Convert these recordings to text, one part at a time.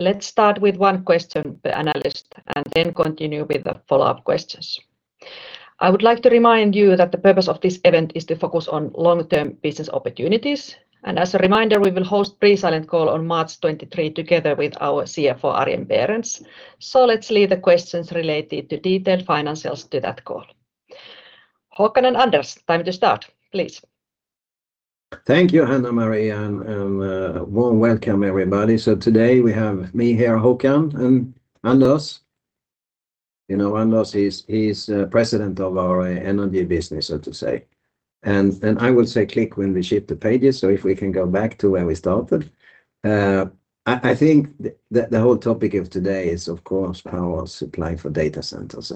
Let's start with one question per analyst, and then continue with the follow-up questions. I would like to remind you that the purpose of this event is to focus on long-term business opportunities, and as a reminder, we will host pre-silent call on March 23 together with our CFO, Arjen Berends. So let's leave the questions related to detailed financials to that call. Håkan and Anders, time to start, please. Thank you, Hanna-Maria, and warm welcome, everybody. So today we have me here, Håkan, and Anders. You know, Anders is President of our Energy business, so to say. I will say click when we shift the pages, so if we can go back to where we started. I think the whole topic of today is, of course, power supply for data centers.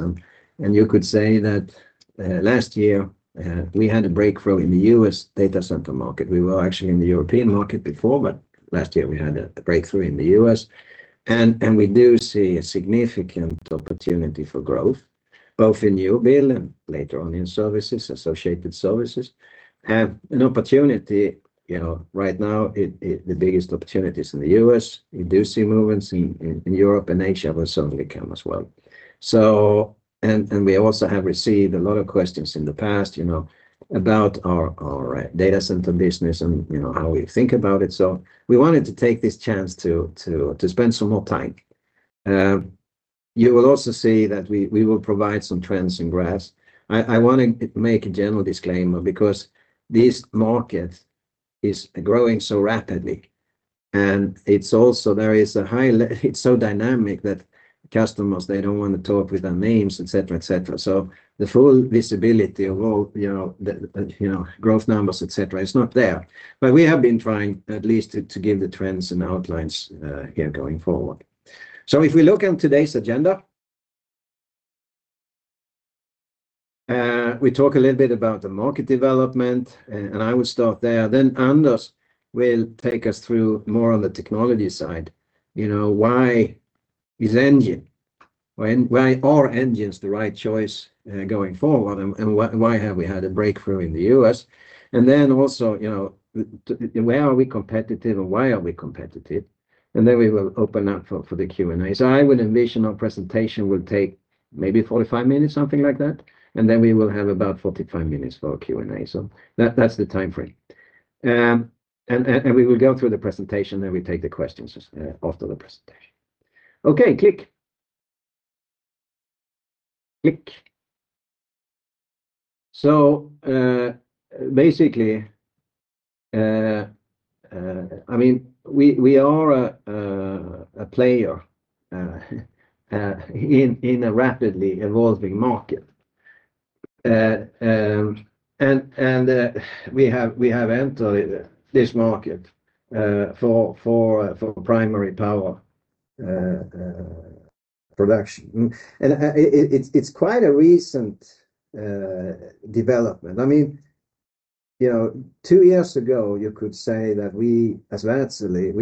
You could say that last year we had a breakthrough in the U.S. data center market. We were actually in the European market before, but last year we had a breakthrough in the U.S. We do see a significant opportunity for growth, both in new build and later on in services, associated services. Have an opportunity, you know, right now—the biggest opportunity is in the U.S. We do see movements in Europe, and Asia will certainly come as well. So we also have received a lot of questions in the past, you know, about our data center business and, you know, how we think about it. So we wanted to take this chance to spend some more time. You will also see that we will provide some trends and graphs. I wanna make a general disclaimer, because this market is growing so rapidly, and it's so dynamic that customers, they don't want to talk with their names, et cetera, et cetera. So the full visibility of all, you know, the growth numbers, et cetera, is not there. But we have been trying at least to give the trends and outlines here going forward. So if we look at today's agenda, we talk a little bit about the market development, and I will start there. Then Anders will take us through more on the technology side. You know, why is engine, why are engines the right choice, going forward, and why have we had a breakthrough in the U.S.? And then also, you know, where are we competitive, and why are we competitive? And then we will open up for the Q&A. So I would envision our presentation will take maybe 45 minutes, something like that, and then we will have about 45 minutes for Q&A. So that's the time frame. And we will go through the presentation, then we take the questions after the presentation. Okay, click. Click. So, basically, I mean, we are a player in a rapidly evolving market. And we have entered this market for primary power production. And it is quite a recent development. I mean, you know, two years ago, you could say that we, as Wärtsilä,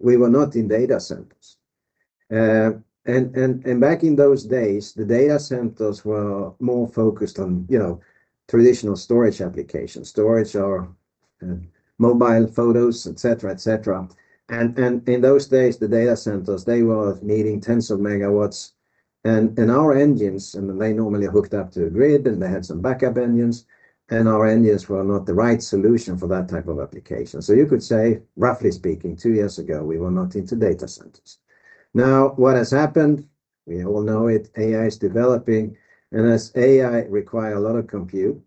were not in data centers. And back in those days, the data centers were more focused on, you know, traditional storage applications, storage or mobile photos, et cetera, et cetera. And in those days, the data centers, they were needing tens of megawatts, and our engines, and they normally hooked up to a grid, and they had some backup engines, and our engines were not the right solution for that type of application. So you could say, roughly speaking, two years ago, we were not into data centers. Now, what has happened, we all know it, AI is developing, and as AI require a lot of compute,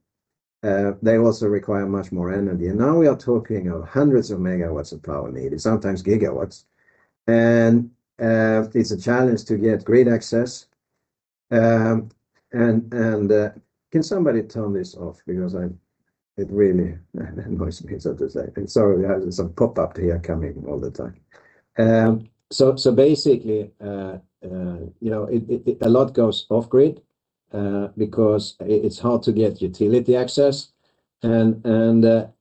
they also require much more energy. And now we are talking of hundreds of megawatts of power needed, sometimes gigawatts. And it's a challenge to get grid access. And can somebody turn this off? Because I-it really annoys me, so to say. And sorry, we have some pop-up here coming all the time. So basically, you know, it a lot goes off grid because it's hard to get utility access. This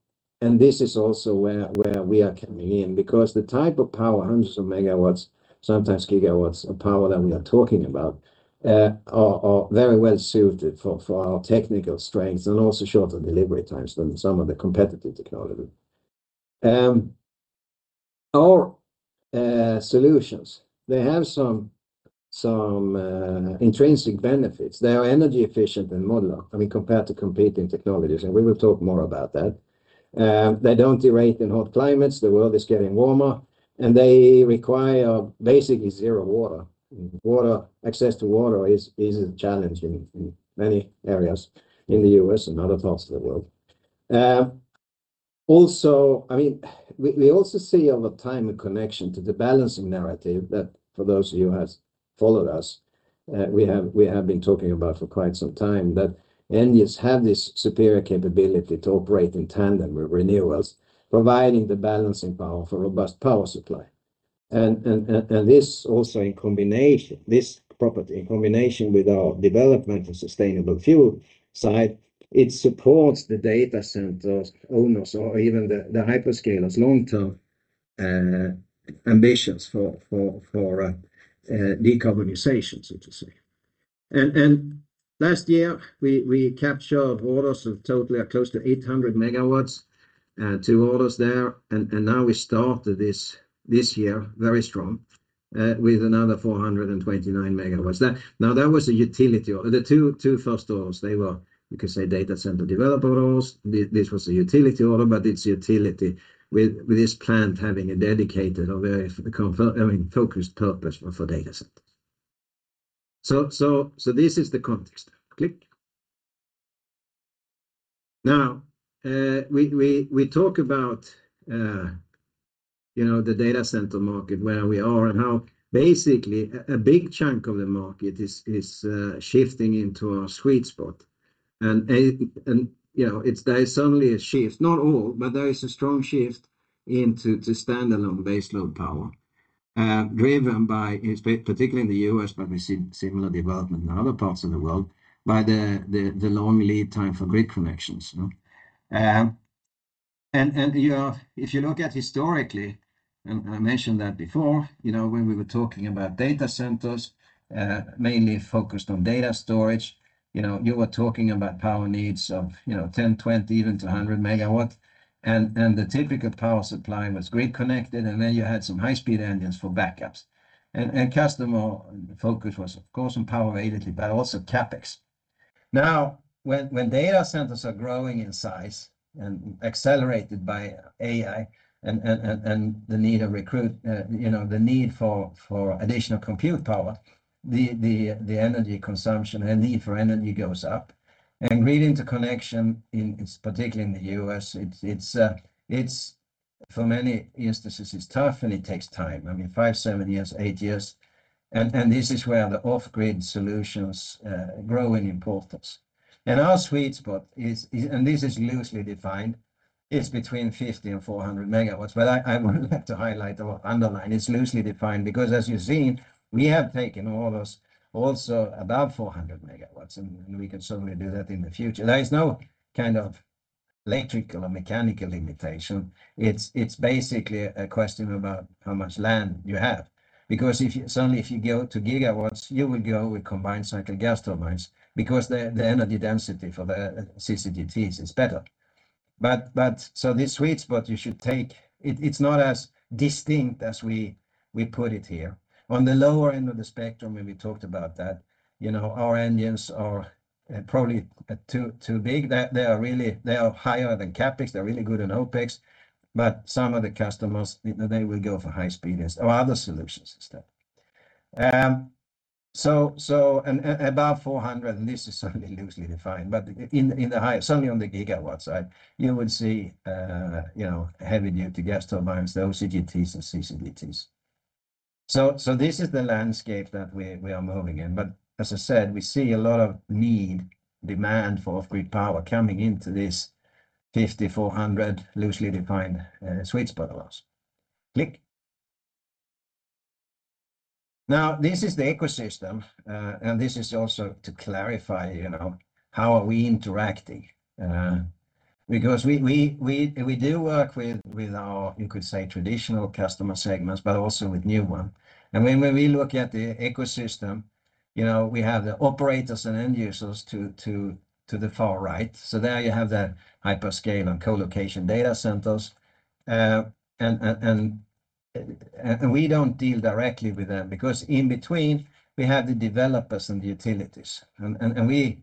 is also where we are coming in, because the type of power, hundreds of megawatts, sometimes gigawatts of power that we are talking about, are very well suited for our technical strengths and also shorter delivery times than some of the competitive technology. Our solutions, they have some intrinsic benefits. They are energy efficient and modular, I mean, compared to competing technologies, and we will talk more about that. They don't derate in hot climates, the world is getting warmer, and they require basically zero water. Water, access to water is a challenge in many areas in the U.S. and other parts of the world. Also, I mean, we also see over time a connection to the balancing narrative that for those of you who have followed us, we have been talking about for quite some time, that engines have this superior capability to operate in tandem with renewables, providing the balancing power for robust power supply. And this also in combination, this property, in combination with our development of sustainable fuel side, it supports the data centers owners or even the hyperscalers' long-term ambitions for decarbonization, so to say. And last year, we captured orders of totally close to 800 MW, two orders there. And now we started this year very strong with another 429 MW. That. Now, that was a utility order. The two first orders, they were, you could say, data center developer orders. This was a utility order, but it's utility with this plant having a dedicated or very, I mean, focused purpose for data centers. So this is the context. Now, we talk about, you know, the data center market, where we are and how basically a big chunk of the market is shifting into our sweet spot. And, and, you know, there is certainly a shift, not all, but there is a strong shift into standalone baseload power, driven by particularly in the U.S., but we see similar development in other parts of the world, by the long lead time for grid connections, you know? You know, if you look at historically, and I mentioned that before, you know, when we were talking about data centers, mainly focused on data storage, you know, you were talking about power needs of 10 MW, 20 MW, even to a 100 MW. The typical power supply was grid-connected, and then you had some high-speed engines for backups. Customer focus was, of course, on power availability, but also CapEx. Now, when data centers are growing in size and accelerated by AI and the need to compute, you know, the need for additional compute power, the energy consumption and need for energy goes up. Grid interconnection, particularly in the U.S., it's for many instances tough, and it takes time. I mean, five, seven years, eight years, and this is where the off-grid solutions grow in importance. And our sweet spot is, and this is loosely defined, between 50 MW and 400 MW. But I would like to highlight or underline, it's loosely defined, because as you've seen, we have taken orders also above 400 MW, and we can certainly do that in the future. There is no kind of electrical or mechanical limitation. It's basically a question about how much land you have. Because if you certainly, if you go to gigawatts, you will go with combined cycle gas turbines, because the energy density for the CCGTs is better. But so this sweet spot you should take, it's not as distinct as we put it here. On the lower end of the spectrum, when we talked about that, you know, our engines are probably too big. They are really higher than CapEx. They're really good in OpEx, but some of the customers, you know, they will go for high speed or other solutions instead. And above 400 MW, and this is certainly loosely defined, but in the high, certainly on the gigawatt side, you would see, you know, heavy-duty gas turbines, the OCGTs and CCGTs. So this is the landscape that we are moving in. But as I said, we see a lot of need, demand for off-grid power coming into this 50 MW-400 MW loosely defined sweet spot of ours. Now, this is the ecosystem, and this is also to clarify, you know, how are we interacting? Because we do work with our, you could say, traditional customer segments, but also with new one. When we look at the ecosystem, you know, we have the operators and end users to the far right. There you have that hyperscale and colocation data centers. And we don't deal directly with them because in between, we have the developers and the utilities. And we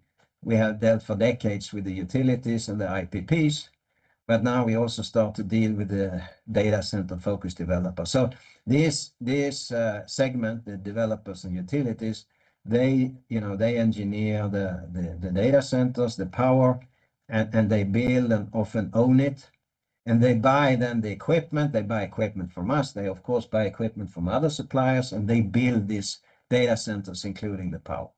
have dealt for decades with the utilities and the IPPs, but now we also start to deal with the data center-focused developers. This segment, the developers and utilities, they, you know, they engineer the data centers, the power, and they build and often own it, and they buy then the equipment. They buy equipment from us. They, of course, buy equipment from other suppliers, and they build these data centers, including the power.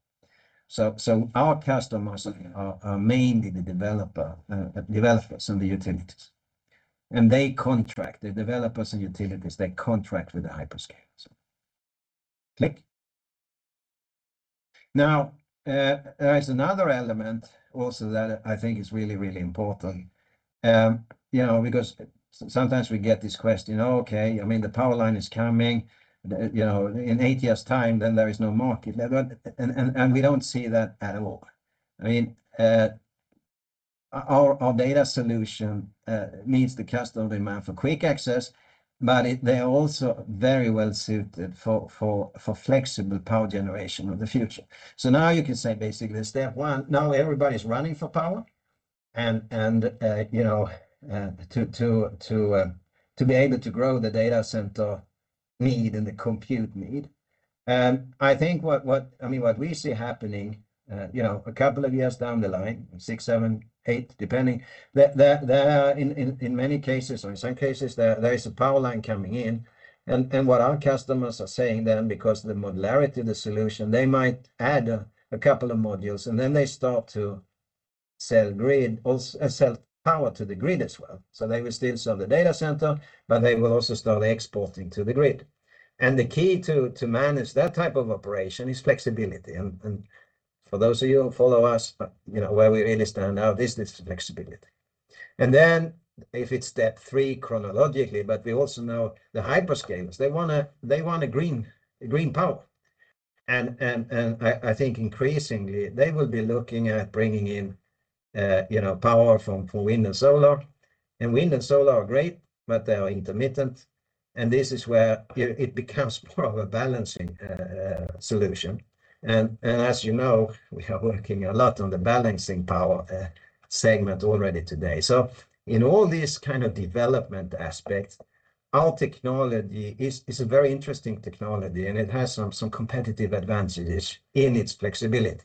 So our customers are mainly the developers and the utilities. And they contract, the developers and utilities, they contract with the hyperscalers. Now, there is another element also that I think is really, really important. You know, because sometimes we get this question, "Oh, okay, I mean, the power line is coming, you know, in eight years' time, then there is no market." But we don't see that at all. I mean, our data solution meets the customer demand for quick access, but they are also very well suited for flexible power generation of the future. So now you can say basically step one, now everybody's running for power, and you know, to be able to grow the data center need and the compute need. I think what I mean, what we see happening, you know, a couple of years down the line, 6, 7, 8, depending, there are in many cases or in some cases, there is a power line coming in. And what our customers are saying then, because the modularity of the solution, they might add a couple of modules, and then they start to sell power to the grid as well. So they will still sell the data center, but they will also start exporting to the grid. And the key to manage that type of operation is flexibility. For those of you who follow us, you know, where we really stand out is this flexibility. And then if it's step three chronologically, but we also know the hyperscalers, they wanna, they want a green power. And I think increasingly they will be looking at bringing in, you know, power from wind and solar. And wind and solar are great, but they are intermittent, and this is where it becomes more of a balancing solution. And as you know, we are working a lot on the balancing power segment already today. So in all these kind of development aspects, our technology is a very interesting technology, and it has some competitive advantages in its flexibility.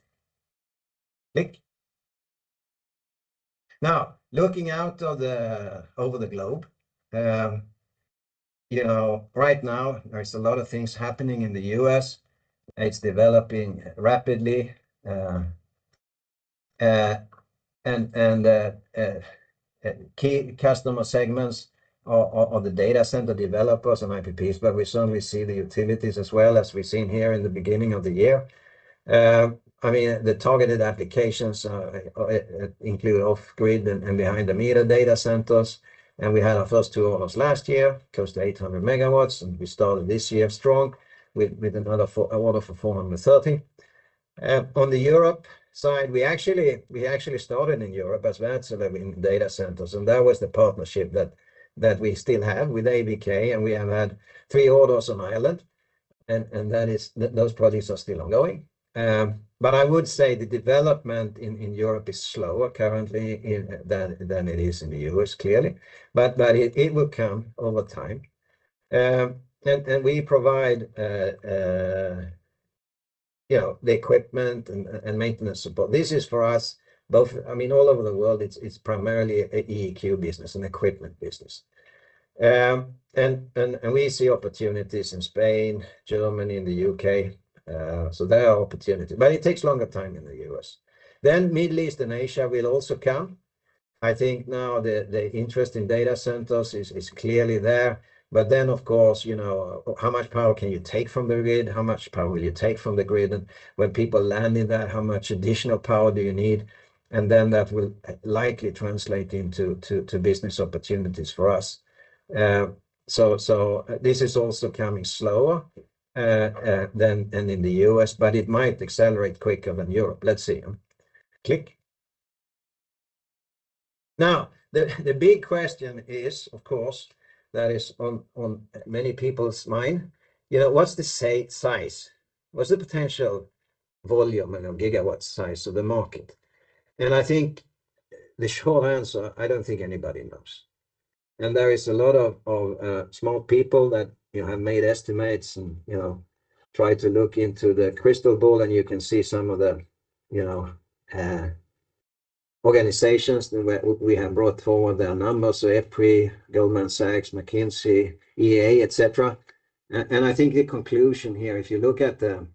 Now, looking out over the globe, you know, right now there's a lot of things happening in the U.S. It's developing rapidly, and key customer segments are the data center developers and IPPs, but we certainly see the utilities as well as we've seen here in the beginning of the year. I mean, the targeted applications include off-grid and behind the meter data centers, and we had our first two orders last year, close to 800 MW, and we started this year strong with another order for 430 MW. On the Europe side, we actually started in Europe as Wärtsilä in data centers, and that was the partnership that we still have with AVK, and we have had three orders in Ireland, and that is, those projects are still ongoing. But I would say the development in Europe is slower currently than it is in the U.S., clearly. But it will come over time. And we provide, you know, the equipment and maintenance support. This is for us both. I mean, all over the world, it's primarily a EEQ business, an equipment business. And we see opportunities in Spain, Germany, and the U.K., so there are opportunities, but it takes longer time in the U.S. Then Middle East and Asia will also come. I think now the interest in data centers is clearly there, but then, of course, you know, how much power can you take from the grid? How much power will you take from the grid? And when people land in that, how much additional power do you need? And then that will likely translate into business opportunities for us. So this is also coming slower than in the U.S., but it might accelerate quicker than Europe. Let's see. Now, the big question is, of course, that is on many people's mind, you know, what's the size? What's the potential volume and gigawatt size of the market? And I think the short answer, I don't think anybody knows. And there is a lot of smart people that, you know, have made estimates and, you know, try to look into the crystal ball, and you can see some of the, you know, organizations where we have brought forward their numbers, so F3, Goldman Sachs, McKinsey, IEA, et cetera. And I think the conclusion here, if you look at the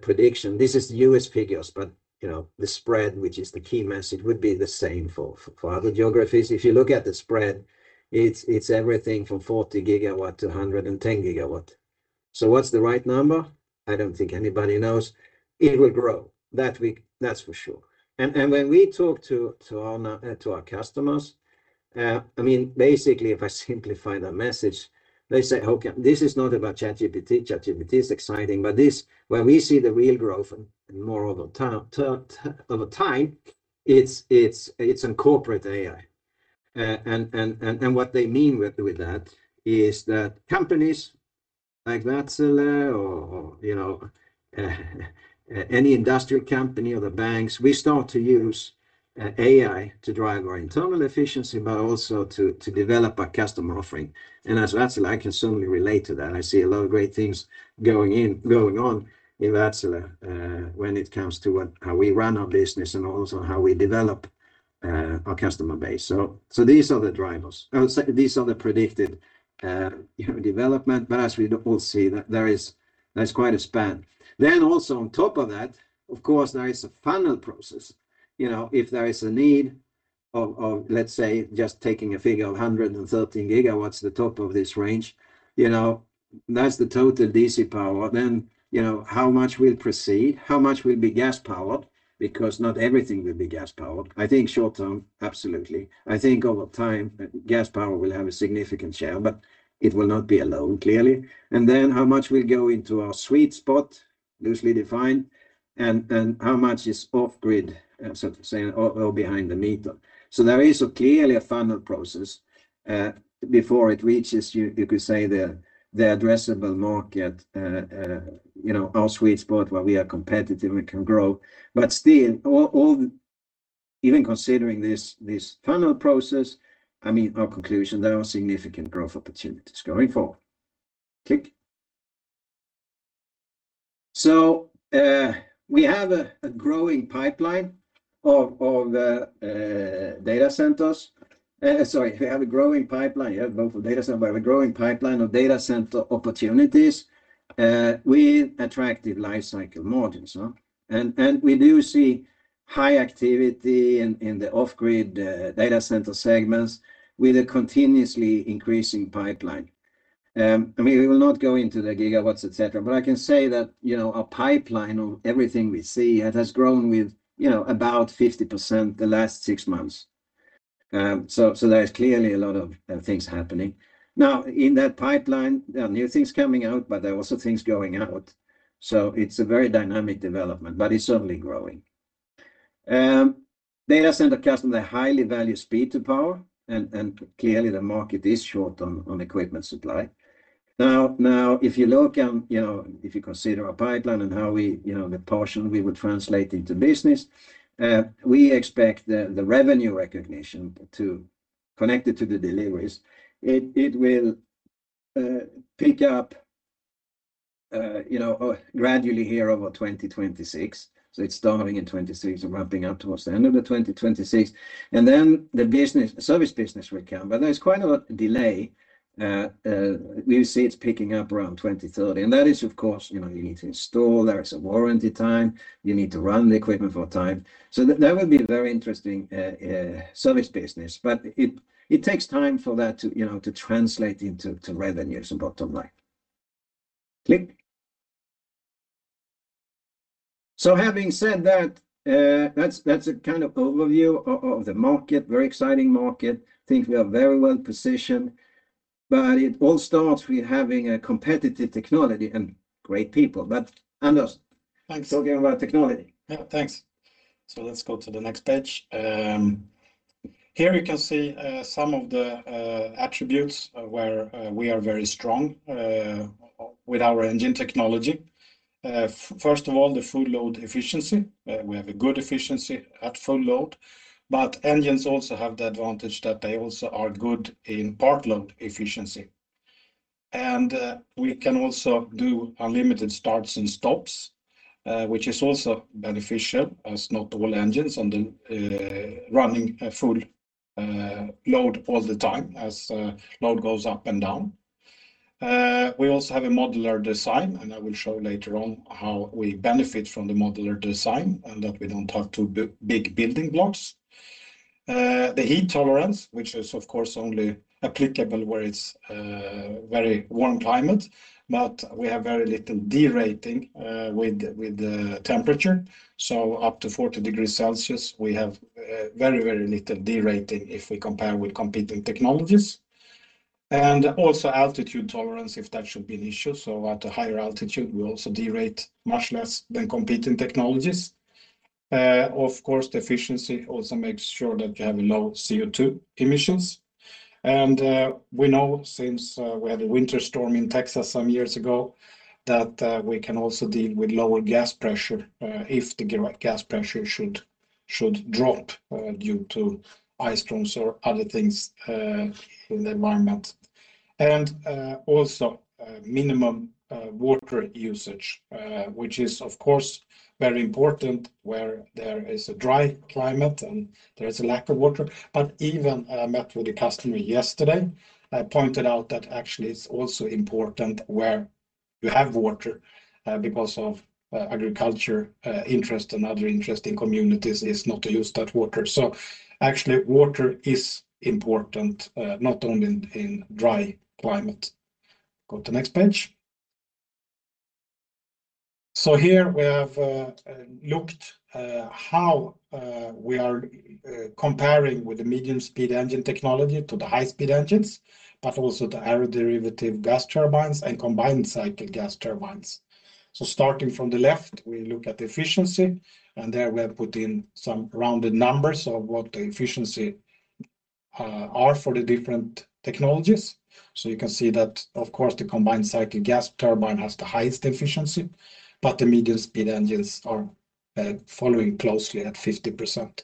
prediction, this is the U.S. figures, but, you know, the spread, which is the key message, would be the same for other geographies. If you look at the spread, it's everything from 40 GW to 110 GW. So what's the right number? I don't think anybody knows. It will grow. That's for sure. When we talk to our customers, I mean, basically, if I simplify the message, they say, "Okay, this is not about ChatGPT. ChatGPT is exciting," but this, where we see the real growth more over time, it's in corporate AI. What they mean with that is that companies like Wärtsilä or, you know, any industrial company or the banks, we start to use AI to drive our internal efficiency, but also to develop our customer offering. And as Wärtsilä, I can certainly relate to that. I see a lot of great things going on in Wärtsilä when it comes to how we run our business and also how we develop our customer base. So these are the drivers. I would say these are the predicted, you know, development, but as we all see, there is, there's quite a span. Then also on top of that, of course, there is a funnel process. You know, if there is a need of, of, let's say, just taking a figure of 113 GW, the top of this range, you know, that's the total DC power, then, you know, how much will proceed? How much will be gas-powered? Because not everything will be gas-powered. I think short term, absolutely. I think over time, gas power will have a significant share, but it will not be alone, clearly. And then how much will go into our sweet spot, loosely defined, and, and how much is off-grid, so to say, or, or behind the meter? So there is clearly a funnel process, before it reaches, you could say, the addressable market, you know, our sweet spot where we are competitive, we can grow. But still, all, even considering this funnel process, I mean, our conclusion, there are significant growth opportunities going forward. So, we have a growing pipeline of data centers. Sorry, we have a growing pipeline, yeah, both of data center, but a growing pipeline of data center opportunities, with attractive life cycle margins, huh? And we do see high activity in the off-grid, data center segments with a continuously increasing pipeline. I mean, we will not go into the gigawatts, et cetera, but I can say that, you know, our pipeline on everything we see, it has grown with, you know, about 50% the last six months. So, there is clearly a lot of things happening. Now, in that pipeline, there are new things coming out, but there are also things going out. So it's a very dynamic development, but it's certainly growing. Data center customer, they highly value speed to power, and clearly the market is short on equipment supply. Now, if you look and, you know, if you consider our pipeline and how we, you know, the portion we would translate into business, we expect the revenue recognition to connect it to the deliveries. It will pick up, you know, gradually here over 2026. So it's starting in 2026 and ramping up towards the end of 2026, and then the business, service business will come. But there's quite a lot delay. We see it's picking up around 2030, and that is, of course, you know, you need to install, there is a warranty time, you need to run the equipment for a time. So that would be a very interesting service business. But it takes time for that to, you know, to translate into revenues and bottom line. So having said that, that's a kind of overview of the market, very exciting market. I think we are very well positioned, but it all starts with having a competitive technology and great people. But Anders, talk about technology. Thanks. Yeah, thanks. So let's go to the next page. Here you can see some of the attributes where we are very strong with our engine technology. First of all, the full load efficiency. We have a good efficiency at full load, but engines also have the advantage that they also are good in part load efficiency. And we can also do unlimited starts and stops, which is also beneficial as not all engines on the running a full load all the time as load goes up and down. We also have a modular design, and I will show later on how we benefit from the modular design, and that we don't have two big building blocks. The heat tolerance, which is, of course, only applicable where it's very warm climate, but we have very little derating with the temperature. Up to 40 degrees Celsius, we have very, very little derating if we compare with competing technologies. Also altitude tolerance, if that should be an issue. At a higher altitude, we also derate much less than competing technologies. Of course, the efficiency also makes sure that you have low CO2 emissions. We know since we had a winter storm in Texas some years ago, that we can also deal with lower gas pressure if the gas pressure should drop due to ice storms or other things in the environment. Also, minimum water usage, which is, of course, very important where there is a dry climate and there is a lack of water. But even I met with a customer yesterday, I pointed out that actually it's also important where you have water, because of agriculture interest and other interest in communities is not to use that water. So actually, water is important, not only in dry climate. Go to the next page. So here we have looked how we are comparing with the medium-speed engine technology to the high-speed engines, but also the aeroderivative gas turbines and combined cycle gas turbines. So starting from the left, we look at the efficiency, and there we have put in some rounded numbers of what the efficiency are for the different technologies. So you can see that, of course, the combined cycle gas turbine has the highest efficiency, but the medium-speed engines are following closely at 50%.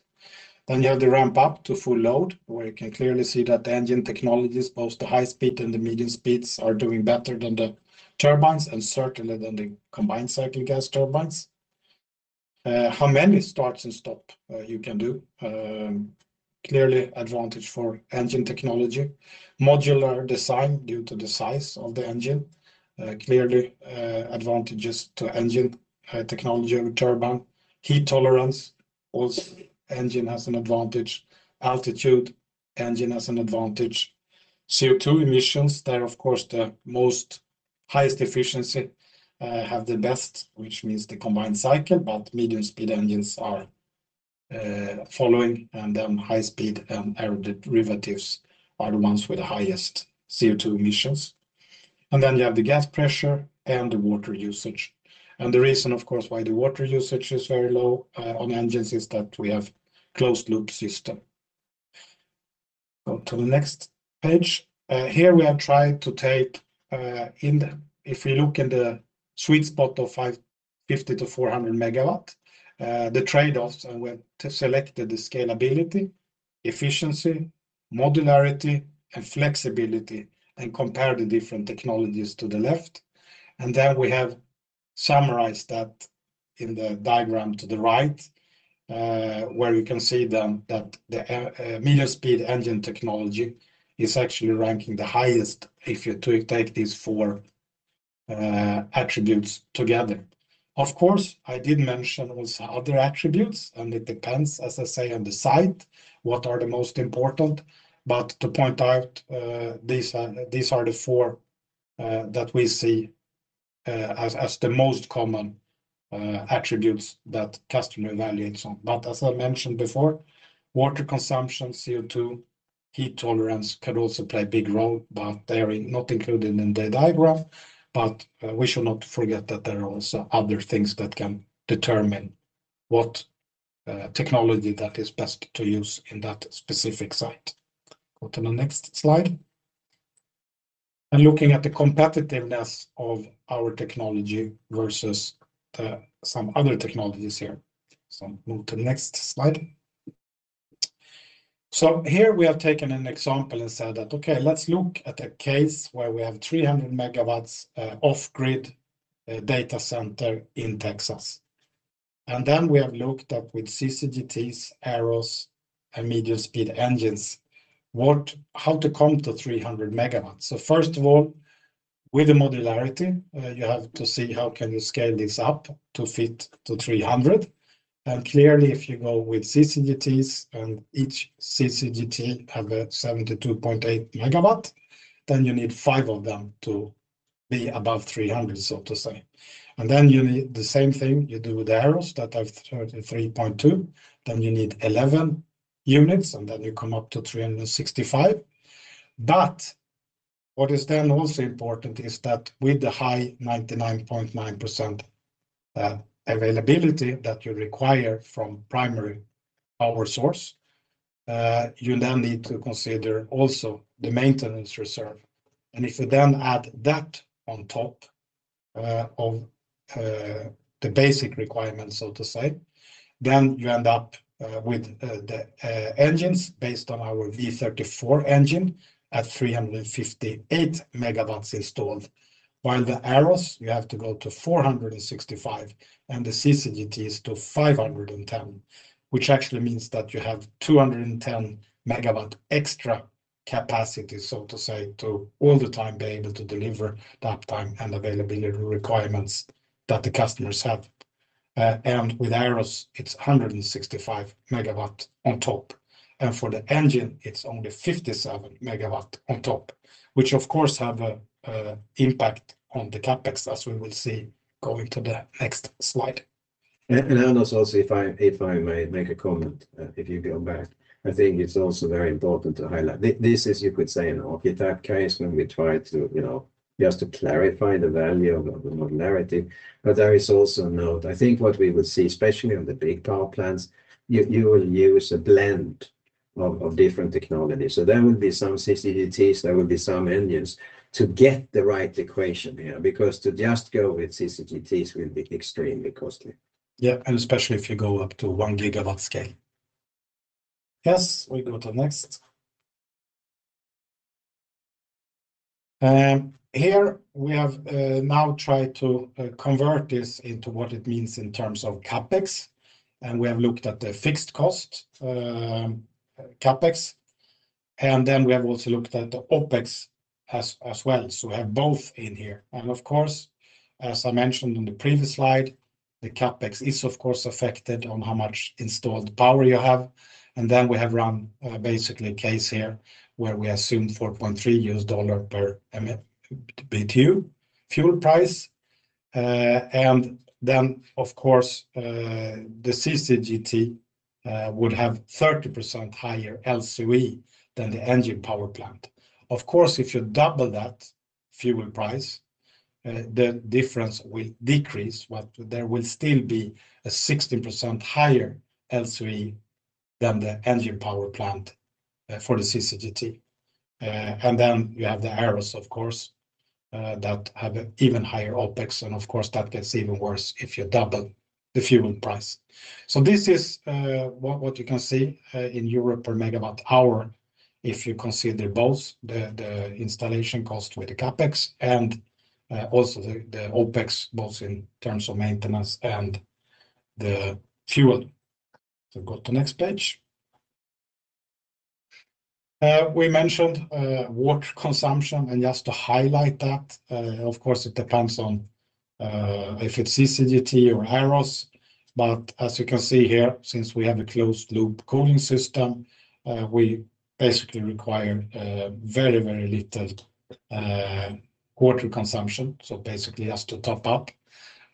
Then you have the ramp up to full load, where you can clearly see that the engine technologies, both the high speed and the medium speeds, are doing better than the turbines and certainly than the combined cycle gas turbines. How many starts and stops you can do? Clearly advantage for engine technology. Modular design due to the size of the engine, clearly, advantages to engine technology over turbine. Heat tolerance, also, engine has an advantage. Altitude, engine has an advantage. CO2 emissions, they're, of course, the most highest efficiency have the best, which means the combined cycle, but medium-speed engines are following, and then high speed aeroderivatives are the ones with the highest CO2 emissions. Then you have the gas pressure and the water usage. The reason, of course, why the water usage is very low on engines is that we have closed-loop system. Go to the next page. Here we are trying to take in the—if we look in the sweet spot of 550 MW-400 MW, the trade-offs, and we selected the scalability, efficiency, modularity, and flexibility, and compare the different technologies to the left. And then we have summarized that in the diagram to the right, where you can see that the medium-speed engine technology is actually ranking the highest if you take these four attributes together. Of course, I did mention also other attributes, and it depends, as I say, on the site, what are the most important, but to point out, these are, these are the four, that we see, as, as the most common, attributes that customer evaluates on. But as I mentioned before, water consumption, CO2, heat tolerance can also play a big role, but they are not included in the diagram. But, we should not forget that there are also other things that can determine what, technology that is best to use in that specific site. Go to the next slide. And looking at the competitiveness of our technology versus, some other technologies here. So move to the next slide. So here we have taken an example and said that, okay, let's look at a case where we have 300 MW, off-grid, data center in Texas. Then we have looked up with CCGTs, aeros, and medium-speed engines, how to come to 300 MW. First of all, with the modularity, you have to see how can you scale this up to fit to 300 MW. Clearly, if you go with CCGTs, and each CCGT have a 72.8 MW, then you need five of them to be above 300 MW, so to say. Then you need the same thing you do with the aeros that have 33.2 MW, then you need 11 units, and then you come up to 365 MW. But what is then also important is that with the high 99.9% availability that you require from primary power source, you then need to consider also the maintenance reserve. And if you then add that on top of the basic requirements, so to say, then you end up with the engines based on our V34 engine at 358 MW installed, while the aero, you have to go to 465 MW, and the CCGT is to 510 MW, which actually means that you have 210 MW extra capacity, so to say, to all the time be able to deliver that time and availability requirements that the customers have. And with aero, it's 165 MW on top, and for the engine, it's only 57 MW on top, which of course have a impact on the CapEx, as we will see, going to the next slide. Anders also, if I may make a comment, if you go back, I think it's also very important to highlight—this is, you could say, an archetype case, when we try to, you know, just to clarify the value of the modularity. But there is also a note. I think what we would see, especially on the big power plants, you will use a blend of different technologies. So there will be some CCGTs, there will be some engines to get the right equation here, because to just go with CCGTs will be extremely costly. Yeah, and especially if you go up to 1 GW scale. Yes, we go to the next. Here we have now tried to convert this into what it means in terms of CapEx, and we have looked at the fixed cost CapEx, and then we have also looked at the OpEx as well. So we have both in here. And of course, as I mentioned in the previous slide, the CapEx is, of course, affected on how much installed power you have. And then we have run basically a case here where we assume $4.3 per Btu fuel price. And then, of course, the CCGT would have 30% higher LCOE than the engine power plant. Of course, if you double that fuel price, the difference will decrease, but there will still be a 60% higher LCOE than the engine power plant, for the CCGT. Then you have the aeros, of course, that have an even higher OpEx, and of course, that gets even worse if you double the fuel price. This is what you can see in Europe per megawatt hour, if you consider both the installation cost with the CapEx and also the OpEx, both in terms of maintenance and the fuel. Go to next page. We mentioned water consumption, and just to highlight that, of course, it depends on if it's CCGT or aeros. But as you can see here, since we have a closed-loop cooling system, we basically require, very, very little, water consumption, so basically just to top up.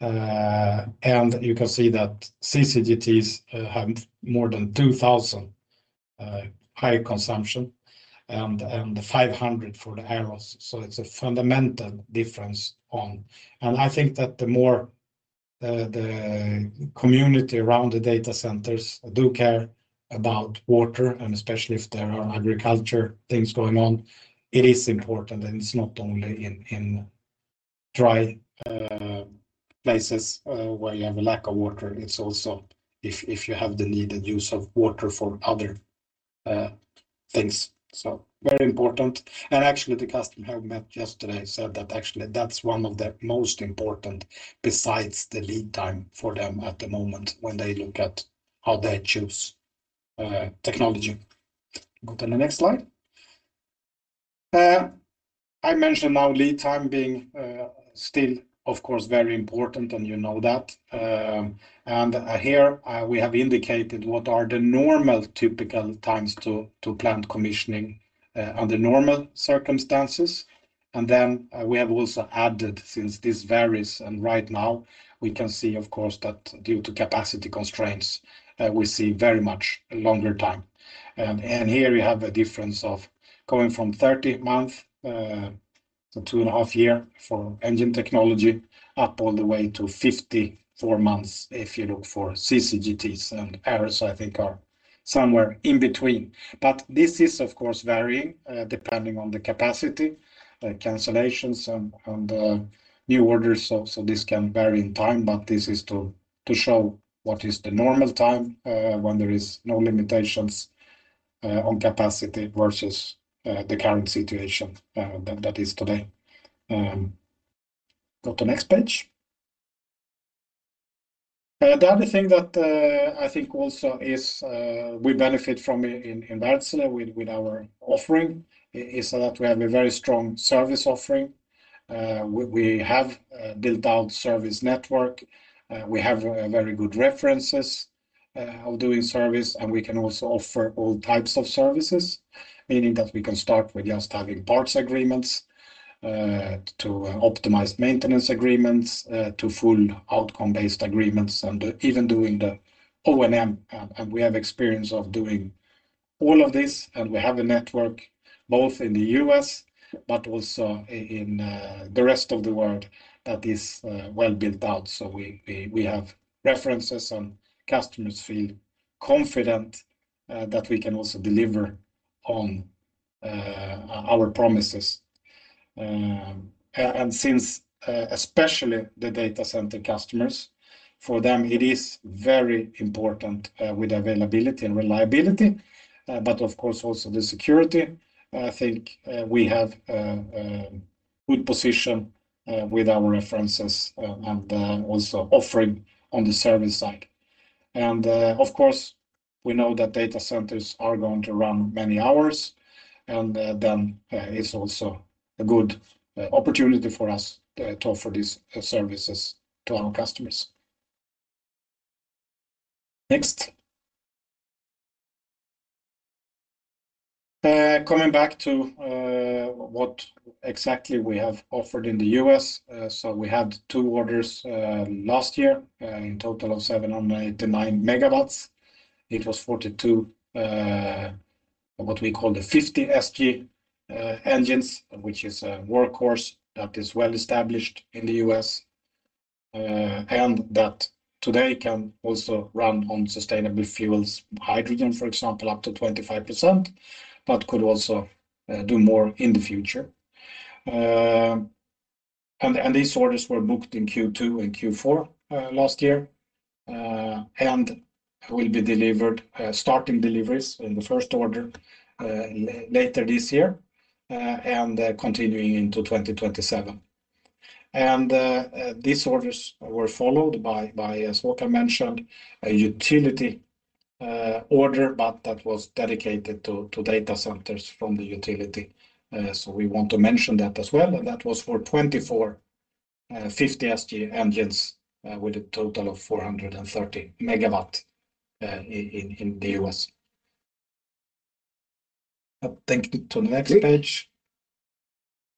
And you can see that CCGTs have more than 2,000 high consumption and the 500 MW for the aeros. So it's a fundamental difference on... And I think that the more, the community around the data centers do care about water, and especially if there are agriculture things going on, it is important, and it's not only in dry places where you have a lack of water. It's also if you have the needed use of water for other things. So very important. Actually, the customer I have met yesterday said that actually, that's one of the most important besides the lead time for them at the moment when they look at how they choose technology. Go to the next slide. I mentioned now lead time being still, of course, very important, and you know that. And here we have indicated what are the normal typical times to plant commissioning under normal circumstances. And then we have also added, since this varies, and right now we can see, of course, that due to capacity constraints we see very much a longer time. And here you have a difference of going from 30 months, so 2.5 years for engine technology, up all the way to 54 months if you look for CCGTs and aeros. I think are somewhere in between. But this is, of course, varying, depending on the capacity, cancellations and new orders. So this can vary in time, but this is to show what is the normal time, when there is no limitations, on capacity versus the current situation that is today. Go to next page. The other thing that I think also is we benefit from in Wärtsilä with our offering is that we have a very strong service offering. We have built out service network, we have a very good references of doing service, and we can also offer all types of services, meaning that we can start with just having parts agreements to optimized maintenance agreements to full outcome-based agreements, and even doing the O&M. And we have experience of doing all of this, and we have a network, both in the U.S., but also in the rest of the world, that is well built out. So we have references and customers feel confident that we can also deliver on our promises. And since especially the data center customers, for them, it is very important with availability and reliability, but of course, also the security. I think we have a good position with our references and also offering on the service side. And of course, we know that data centers are going to run many hours, and then it's also a good opportunity for us to offer these services to our customers. Next. Coming back to what exactly we have offered in the U.S. So we had two orders last year in total of 789 MW. It was 42 what we call the 50SG engines, which is a workhorse that is well-established in the U.S. and that today can also run on sustainable fuels, hydrogen, for example, up to 25%, but could also do more in the future. And these orders were booked in Q2 and Q4 last year and will be delivered, starting deliveries in the first order later this year. And these orders were followed by, as Volker mentioned, a utility order, but that was dedicated to data centers from the utility. So we want to mention that as well, and that was for 24 50SG engines with a total of 430 MW in the U.S. Thank you. To the next page.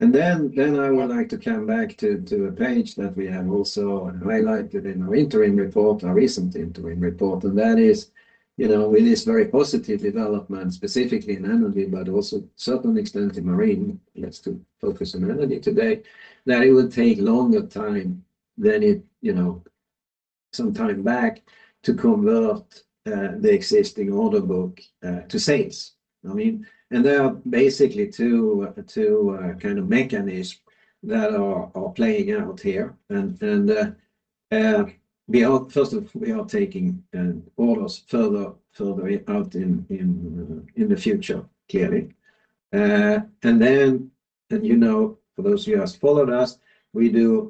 And then I would like to come back to a page that we have also highlighted in our interim report, our recent interim report, and that is, you know, with this very positive development, specifically in energy, but also certain extent in marine. Let's to focus on energy today, that it will take longer time than it, you know, some time back to convert the existing order book to sales. I mean, and there are basically two kind of mechanisms that are playing out here. And we are, first of—we are taking orders further out in the future, clearly. And then, you know, for those of you who has followed us, we do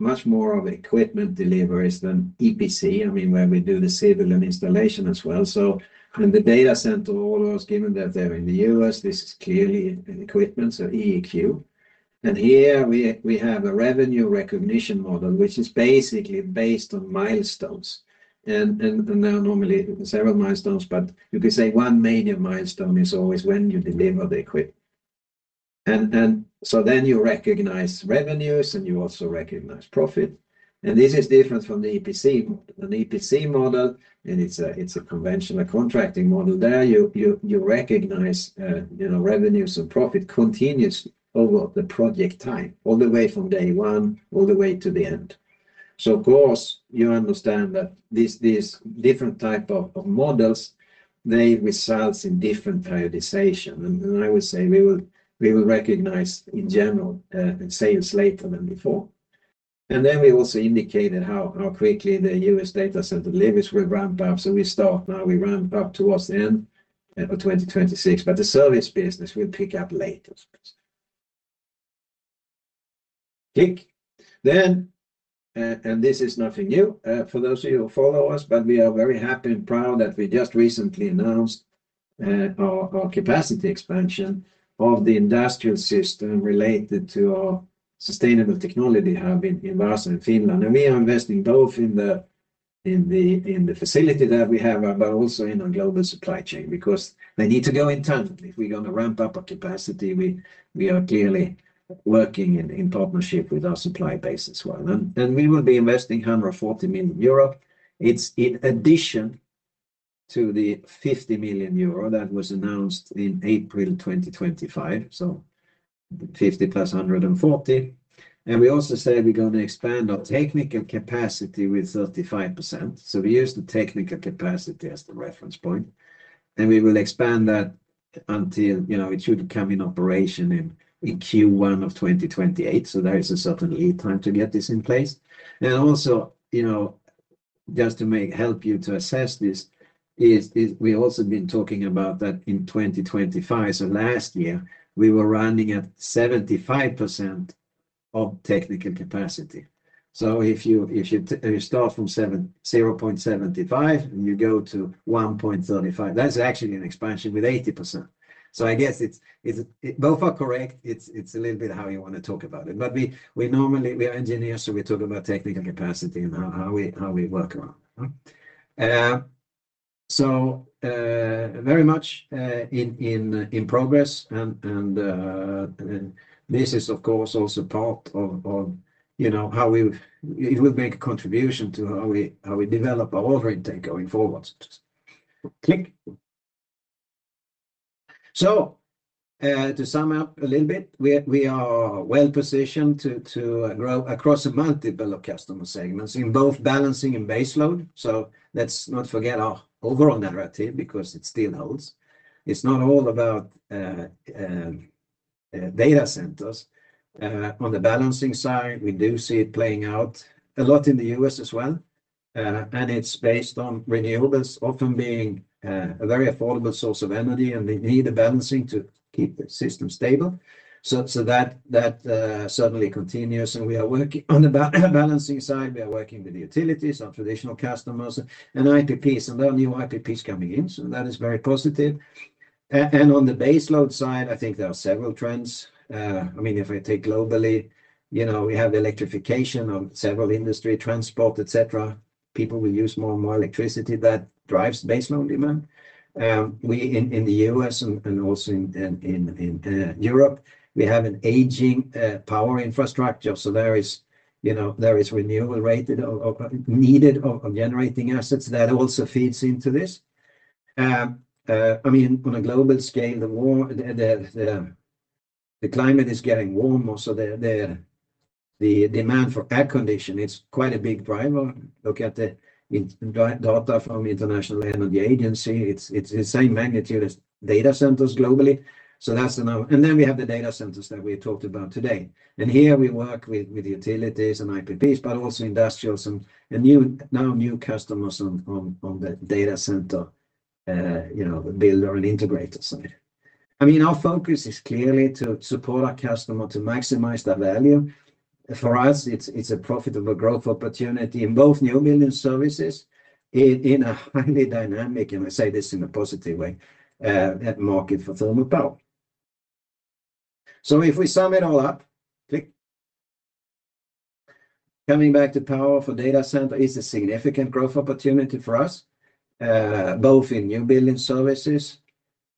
much more of equipment deliveries than EPC, I mean, where we do the civil and installation as well. So in the data center orders, given that they're in the U.S., this is clearly an equipment, so EEQ. And here we have a revenue recognition model, which is basically based on milestones, and there are normally several milestones, but you could say one major milestone is always when you deliver the equipment. And so then you recognize revenues, and you also recognize profit. And this is different from the EPC model. An EPC model, and it's a conventional contracting model, there you recognize, you know, revenues and profit continuously over the project time, all the way from day one, all the way to the end. So of course, you understand that these different type of models, they results in different prioritization. And then I would say we will recognize in general in sales later than before. And then we also indicated how quickly the U.S. data center deliveries will ramp up. So we start now, we ramp up towards the end of 2026, but the service business will pick up later. Then, and this is nothing new, for those of you who follow us, but we are very happy and proud that we just recently announced our capacity expansion of the industrial system related to our sustainable technology hub in Vaasa, Finland. And we are investing both in the facility that we have, but also in our global supply chain, because they need to go in tandem. If we're gonna ramp up our capacity, we are clearly working in partnership with our supply base as well. And we will be investing 140 million euro. It's in addition to the 50 million euro that was announced in April 2025, so 50 + 140. We also say we're gonna expand our technical capacity with 35%. We use the technical capacity as the reference point, and we will expand that until, you know, it should come in operation in Q1 of 2028. There is a certain lead time to get this in place. Also, you know, just to help you to assess this, is we also been talking about that in 2025. Last year, we were running at 75% of technical capacity. If you start from 0.75, and you go to 1.35, that's actually an expansion with 80%. I guess it's both are correct. It's a little bit how you wanna talk about it. But we normally, we are engineers, so we talk about technical capacity and how we work around. So, very much in progress, and this is, of course, also part of, you know, how we—it will make a contribution to how we develop our order intake going forward. So, to sum up a little bit, we are well positioned to grow across a multiple of customer segments in both balancing and baseload. So let's not forget our overall narrative because it still holds. It's not all about data centers. On the balancing side, we do see it playing out a lot in the U.S. as well, and it's based on renewables often being a very affordable source of energy, and they need a balancing to keep the system stable. So that certainly continues, and we are working on the balancing side. We are working with the utilities, our traditional customers, and IPPs, and there are new IPPs coming in, so that is very positive. And on the baseload side, I think there are several trends. I mean, if I take globally, you know, we have the electrification of several industry, transport, et cetera. People will use more and more electricity that drives baseload demand. We in the U.S. and also in Europe, we have an aging power infrastructure. So there is, you know, there is renewable rate of needed generating assets that also feeds into this. I mean, on a global scale, the climate is getting warmer, so the demand for air conditioning; it's quite a big driver. Look at the data from International Energy Agency. It's the same magnitude as data centers globally. So that's another. And then we have the data centers that we talked about today. And here we work with utilities and IPPs, but also industrials and now new customers on the data center, you know, builder and integrator side. I mean, our focus is clearly to support our customer to maximize their value. For us, it's a profitable growth opportunity in both new build and services in a highly dynamic, and I say this in a positive way, at market for thermal power. So if we sum it all up, click. Coming back to power for data center is a significant growth opportunity for us, both in new building services,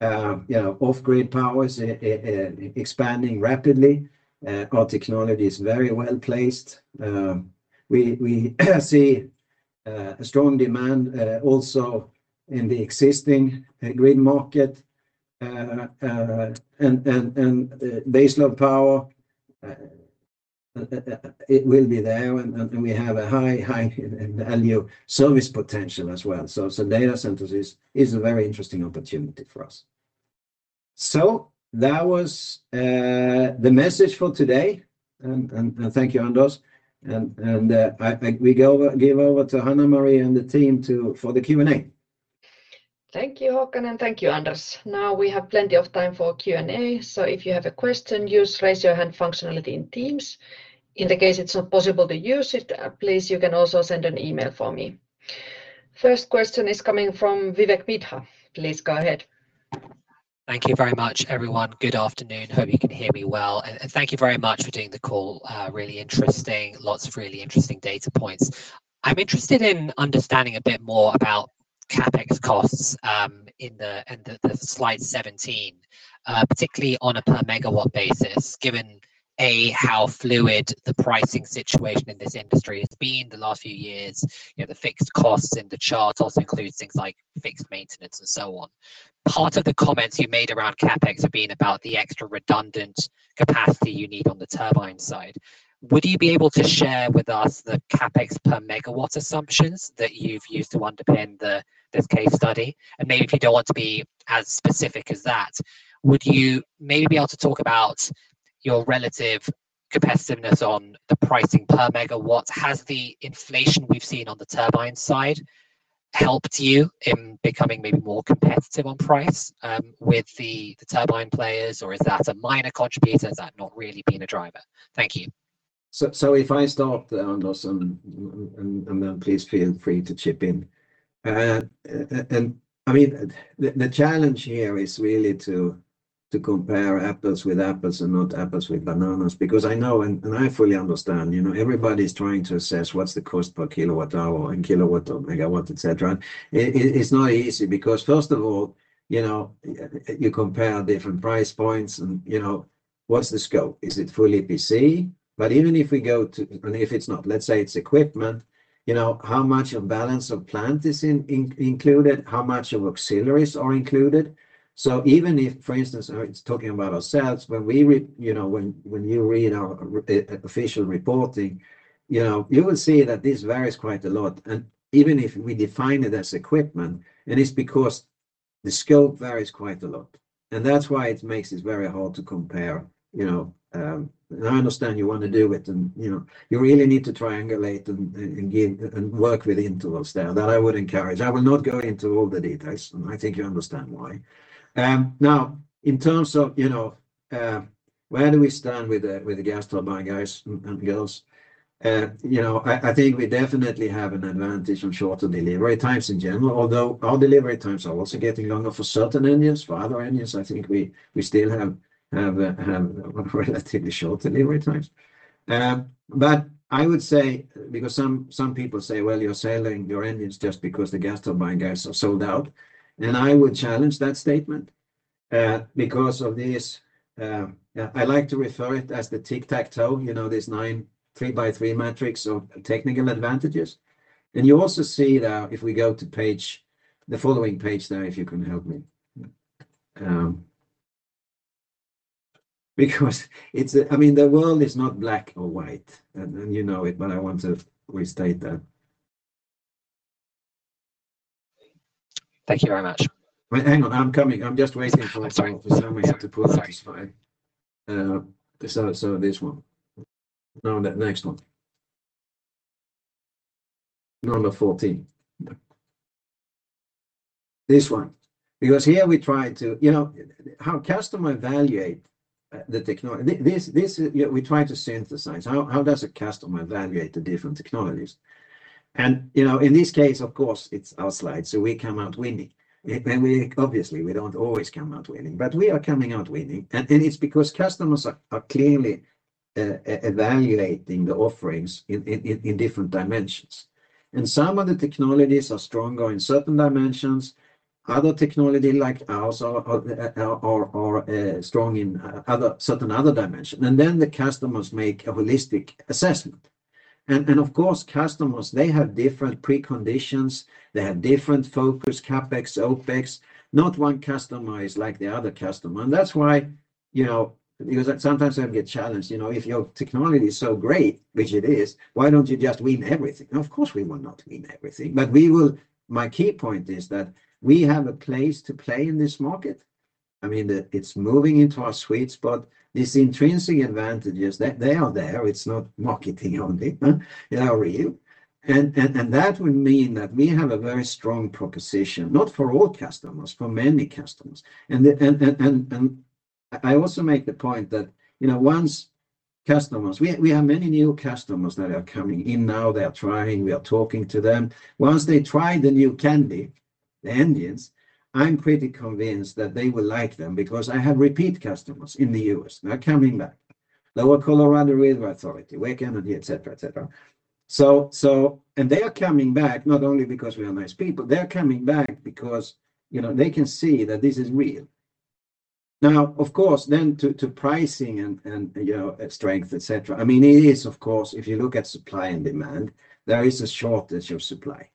you know, off-grid power is expanding rapidly. Our technology is very well placed. We see a strong demand also in the existing grid market, and baseload power, it will be there, and we have a high value service potential as well. So data centers is a very interesting opportunity for us. So that was the message for today, and thank you, Anders. We give over to Hanna-Maria and the team for the Q&A. Thank you, Håkan, and thank you, Anders. Now, we have plenty of time for Q&A, so if you have a question, use raise your hand functionality in Teams. In the case it's not possible to use it, please, you can also send an email for me. First question is coming from Vivek Midha. Please go ahead. Thank you very much, everyone. Good afternoon. Hope you can hear me well, and thank you very much for doing the call. Really interesting. Lots of really interesting data points. I'm interested in understanding a bit more about CapEx costs in the slide 17, particularly on a per megawatt basis, given, A, how fluid the pricing situation in this industry has been the last few years. You know, the fixed costs in the chart also includes things like fixed maintenance and so on. Part of the comments you made around CapEx have been about the extra redundant capacity you need on the turbine side. Would you be able to share with us the CapEx per megawatt assumptions that you've used to underpin this case study? Maybe if you don't want to be as specific as that, would you maybe be able to talk about your relative competitiveness on the pricing per megawatt? Has the inflation we've seen on the turbine side helped you in becoming maybe more competitive on price, with the turbine players, or is that a minor contributor? Is that not really been a driver? Thank you. So if I start, Anders, then please feel free to chip in. And I mean, the challenge here is really to compare apples with apples and not apples with bananas. Because I know I fully understand, you know, everybody's trying to assess what's the cost per kilowatt hour and kilowatt or megawatt, et cetera. It's not easy because first of all, you know, you compare different price points, and, you know, what's the scope? Is it fully PC? But even if we go to—and if it's not, let's say it's equipment, you know, how much of balance of plant is included, how much of auxiliaries are included. So even if, for instance, it's talking about ourselves, when we—you know—when you read our official reporting, you know, you will see that this varies quite a lot. Even if we define it as equipment, it's because the scope varies quite a lot, and that's why it makes it very hard to compare. You know, I understand you want to do it, and you know, you really need to triangulate and give and work with intervals there. That I would encourage. I will not go into all the details, and I think you understand why. Now, in terms of, you know, where do we stand with the gas turbine guys and girls? You know, I think we definitely have an advantage on shorter delivery times in general, although our delivery times are also getting longer for certain engines. For other engines, I think we still have relatively short delivery times. But I would say, because some people say, "Well, you're selling your engines just because the gas turbine guys are sold out." And I would challenge that statement, because of this. I like to refer it as the tic-tac-toe, you know, this 9, 3x3 matrix of technical advantages. And you also see that if we go to page, the following page there, if you can help me. Because I mean, the world is not black or white, and you know it, but I want to restate that. Thank you very much. Wait, hang on. I'm coming. I'm just waiting for- Sorry... someone to put up the slide. Sorry. So this one. No, the next one. Number 14. This one. Because here we try to... You know, how customer evaluate the technology. This, we try to synthesize. How does a customer evaluate the different technologies? And, you know, in this case, of course, it's our slide, so we come out winning. And we obviously, we don't always come out winning, but we are coming out winning. And it's because customers are clearly evaluating the offerings in different dimensions. And some of the technologies are stronger in certain dimensions. Other technology, like ours, are strong in other certain other dimension. And then the customers make a holistic assessment. And of course, customers, they have different preconditions, they have different focus, CapEx, OpEx. Not one customer is like the other customer, and that's why, you know, because sometimes I get challenged, you know, "If your technology is so great, which it is, why don't you just win everything?" Of course, we will not win everything, but we will. My key point is that we have a place to play in this market. I mean, the, it's moving into our suites, but these intrinsic advantages, they, they are there. It's not marketing only, they are real. And, and, and that would mean that we have a very strong proposition, not for all customers, for many customers. And, and, and, and, and I also make the point that, you know, once customers... We, we have many new customers that are coming in now. They are trying, we are talking to them. Once they try the new candy, the engines, I'm pretty convinced that they will like them because I have repeat customers in the U.S. They are coming back. Lower Colorado River Authority, [Wake Energy], et cetera, et cetera. So, they are coming back not only because we are nice people; they are coming back because, you know, they can see that this is real. Now, of course, then to pricing and, you know, strength, et cetera, I mean, it is, of course, if you look at supply and demand, there is a shortage of supply.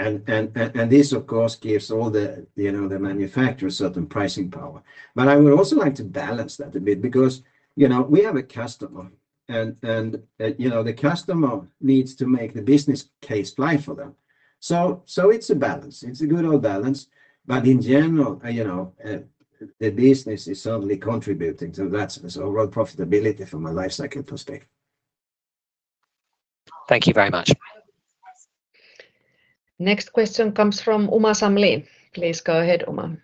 And this, of course, gives all the, you know, the manufacturers certain pricing power. But I would also like to balance that a bit because, you know, we have a customer, and, you know, the customer needs to make the business case fly for them. So, it's a balance. It's a good old balance, but in general, you know, the business is certainly contributing to that. So overall profitability from a life cycle perspective. Thank you very much. Next question comes from Uma Samlin. Please go ahead, Uma.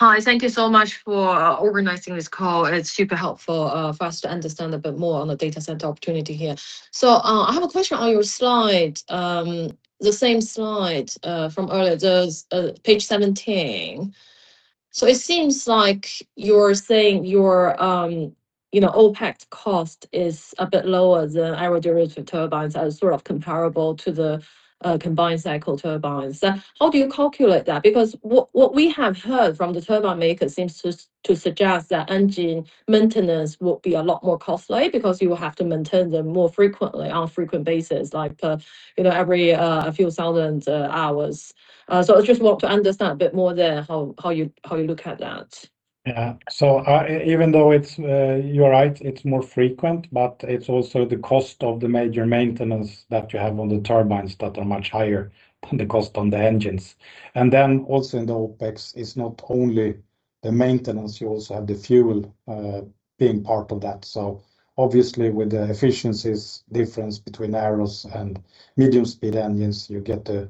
Hi, thank you so much for organizing this call. It's super helpful for us to understand a bit more on the data center opportunity here. So, I have a question on your slide, the same slide from earlier, those, page 17. So it seems like you're saying your, you know, OpEx cost is a bit lower than aeroderivative turbines as sort of comparable to the combined cycle turbines. So how do you calculate that? Because what we have heard from the turbine makers seems to suggest that engine maintenance will be a lot more costly because you will have to maintain them more frequently, on a frequent basis, like, you know, every, a few thousand hours. So I just want to understand a bit more there, how you look at that. Yeah. So, even though it's, you're right, it's more frequent, but it's also the cost of the major maintenance that you have on the turbines that are much higher than the cost on the engines. And then also in the OpEx is not only the maintenance, you also have the fuel being part of that. So obviously, with the efficiencies difference between aero and medium-speed engines, you get a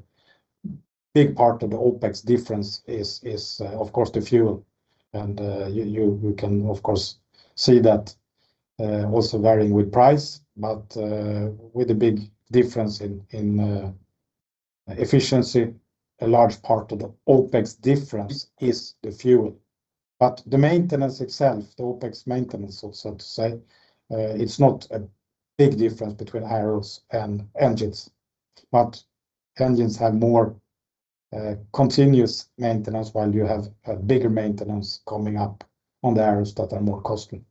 big part of the OpEx difference is, of course, the fuel. And, you can, of course, see that also varying with price, but, with a big difference in efficiency, a large part of the OpEx difference is the fuel. But the maintenance itself, the OpEx maintenance, so to say, it's not a big difference between aero and engines. But engines have more continuous maintenance, while you have a bigger maintenance coming up on the aeros that are more costly.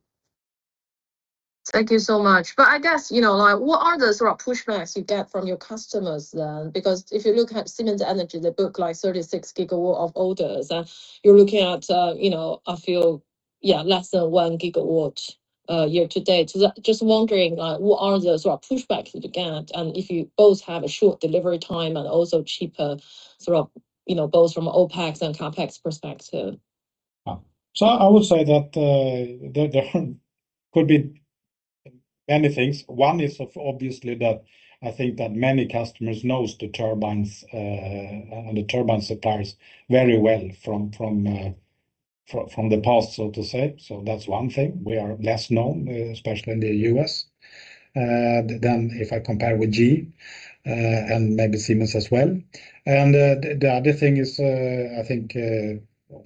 Thank you so much. But I guess, you know, like, what are the sort of pushbacks you get from your customers then? Because if you look at Siemens Energy, they book, like, 36 GW of orders, and you're looking at, you know, a few, yeah, less than 1 GW, year to date. So just wondering, like, what are the sort of pushbacks you get, and if you both have a short delivery time and also cheaper, sort of, you know, both from OpEx and CapEx perspective? So I would say that, that there could be many things. One is obviously, that I think that many customers knows the turbines, and the turbine suppliers very well from the past, so to say. So that's one thing. We are less known, especially in the U.S., than if I compare with GE, and maybe Siemens as well. And, the other thing is, I think,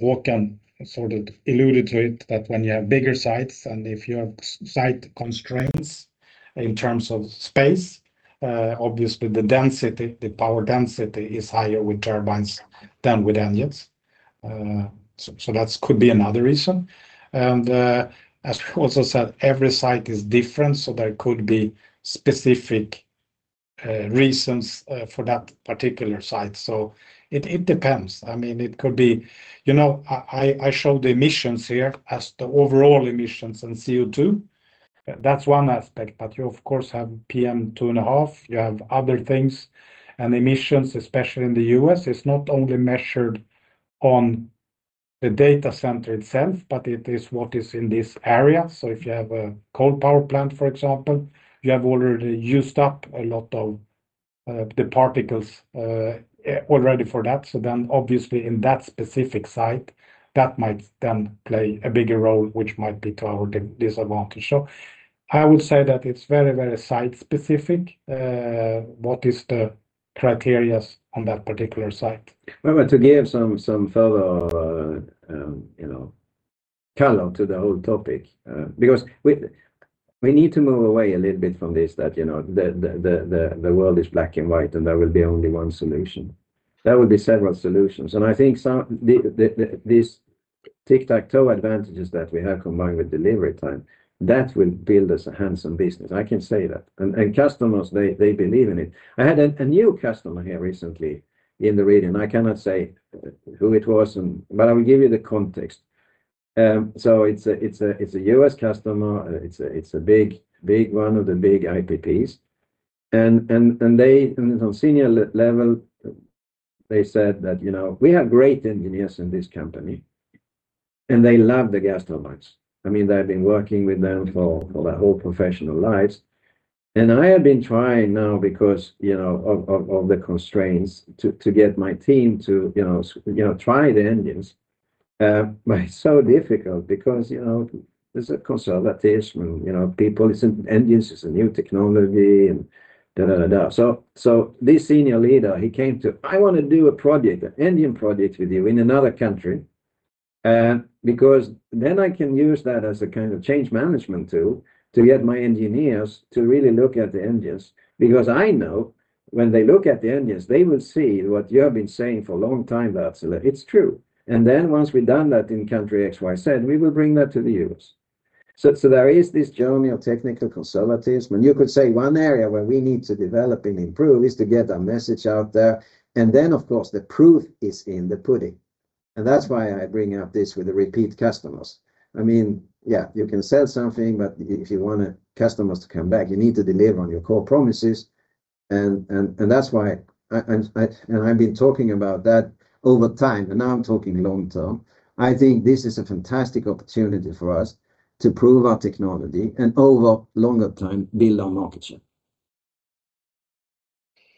Håkan sort of alluded to it, that when you have bigger sites and if you have site constraints in terms of space, obviously, the density, the power density is higher with turbines than with engines. So that could be another reason. And, as we also said, every site is different, so there could be specific reasons for that particular site. So it depends. I mean, it could be, you know, I showed the emissions here as the overall emissions in CO2. That's one aspect, but you, of course, have PM2.5, you have other things, and emissions, especially in the U.S., is not only measured on the data center itself, but it is what is in this area. So if you have a coal power plant, for example, you have already used up a lot of the particles already for that. So then obviously, in that specific site, that might then play a bigger role, which might be to our disadvantage. So I would say that it's very, very site-specific, what is the criteria on that particular site. Well, but to give some further, you know, color to the whole topic, because we need to move away a little bit from this, that, you know, the world is black and white, and there will be only one solution. There will be several solutions, and I think the this tic-tac-toe advantages that we have, combined with delivery time, that will build us a handsome business. I can say that. And customers, they believe in it. I had a new customer here recently in the region. I cannot say who it was and, but I will give you the context. So it's a U.S. customer. It's a big, one of the big IPPs, and they, on senior level, they said that, "You know, we have great engineers in this company, and they love the gas turbines. I mean, they've been working with them for their whole professional lives. And I have been trying now, because, you know, of the constraints, to get my team to, you know, try the engines. But it's so difficult because, you know, there's a conservatism. You know, people, it's an engines is a new technology." So this senior leader, he came to, "I wanna do a project, an engine project with you in another country, because then I can use that as a kind of change management tool to get my engineers to really look at the engines. Because I know when they look at the engines, they will see what you have been saying for a long time, that's, it's true. And then once we've done that in country X, Y, Z, we will bring that to the U.S." So, there is this journey of technical conservatism, and you could say one area where we need to develop and improve is to get our message out there, and then, of course, the proof is in the pudding. And that's why I bring up this with the repeat customers. I mean, yeah, you can sell something, but if you want the customers to come back, you need to deliver on your core promises, and that's why I... And I've been talking about that over time, and now I'm talking long term. I think this is a fantastic opportunity for us to prove our technology, and over longer time, build our market share.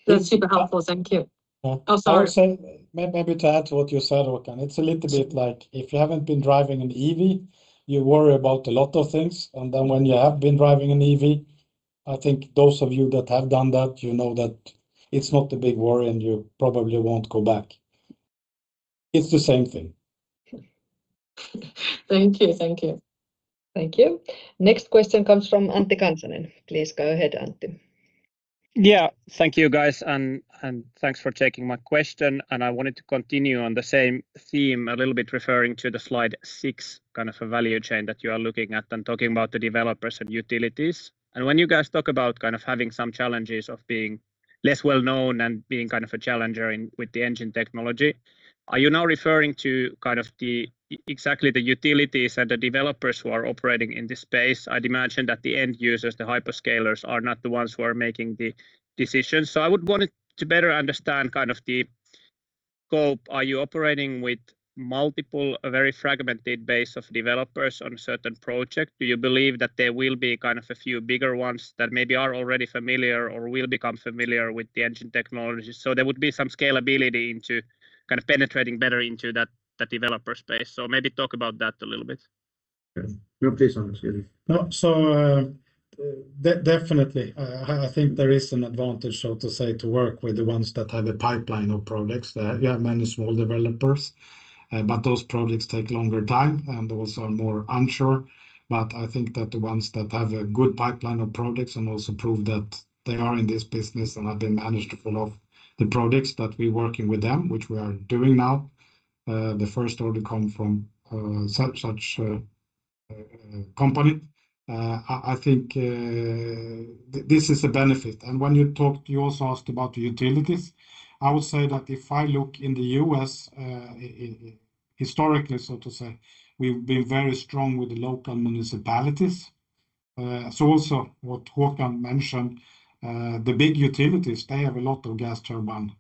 That's super helpful. Thank you. Yeah. Oh, sorry. I would say, maybe to add to what you said, Håkan, it's a little bit like if you haven't been driving an EV, you worry about a lot of things, and then when you have been driving an EV, I think those of you that have done that, you know that it's not a big worry, and you probably won't go back. It's the same thing. Thank you. Thank you. Thank you. Next question comes from Antti Kansanen. Please go ahead, Antti. Yeah. Thank you, guys, and thanks for taking my question. I wanted to continue on the same theme a little bit, referring to slide six, kind of a value chain that you are looking at and talking about the developers and utilities. When you guys talk about kind of having some challenges of being less well known and being kind of a challenger in with the engine technology, are you now referring to kind of exactly the utilities and the developers who are operating in this space? I'd imagine that the end users, the hyperscalers, are not the ones who are making the decisions. So I would want to better understand kind of the scope, are you operating with multiple, a very fragmented base of developers on a certain project? Do you believe that there will be kind of a few bigger ones that maybe are already familiar or will become familiar with the engine technology? So there would be some scalability into kind of penetrating better into that, that developer space. So maybe talk about that a little bit. Yeah. No, please, Anders, go ahead. No, so, definitely, I think there is an advantage, so to say, to work with the ones that have a pipeline of projects. You have many small developers, but those projects take longer time and also are more unsure. But I think that the ones that have a good pipeline of projects and also prove that they are in this business and that they manage to pull off the projects that we're working with them, which we are doing now, the first order come from such a company. I think this is a benefit. And when you talked, you also asked about the utilities. I would say that if I look in the U.S., historically, so to say, we've been very strong with the local municipalities. So also what Håkan mentioned, the big utilities, they have a lot of gas turbine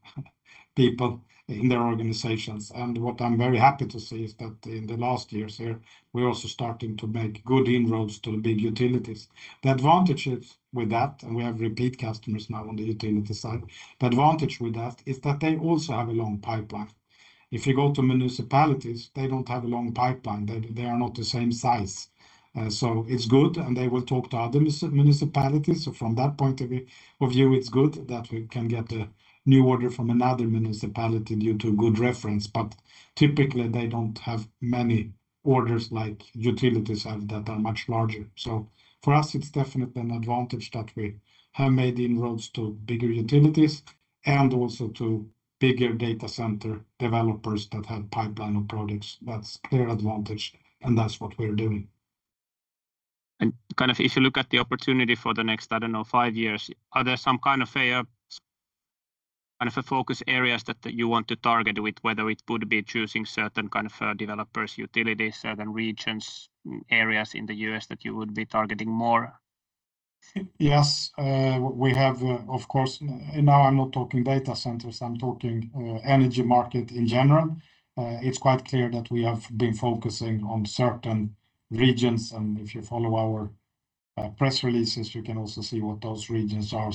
people in their organizations, and what I'm very happy to see is that in the last years here, we're also starting to make good inroads to the big utilities. The advantages with that, and we have repeat customers now on the utility side, the advantage with that is that they also have a long pipeline. If you go to municipalities, they don't have a long pipeline. They, they are not the same size. So it's good, and they will talk to other municipalities, so from that point of view, it's good that we can get a new order from another municipality due to a good reference, but typically, they don't have many orders like utilities have that are much larger. For us, it's definitely an advantage that we have made inroads to bigger utilities and also to bigger data center developers that have pipeline of products. That's clear advantage, and that's what we're doing. Kind of if you look at the opportunity for the next, I don't know, five years, are there some kind of, kind of a focus areas that you want to target with, whether it would be choosing certain kind of developers, utilities, certain regions, areas in the U.S. that you would be targeting more? Yes. We have, of course, and now I'm not talking data centers, I'm talking energy market in general. It's quite clear that we have been focusing on certain regions, and if you follow our press releases, you can also see what those regions are.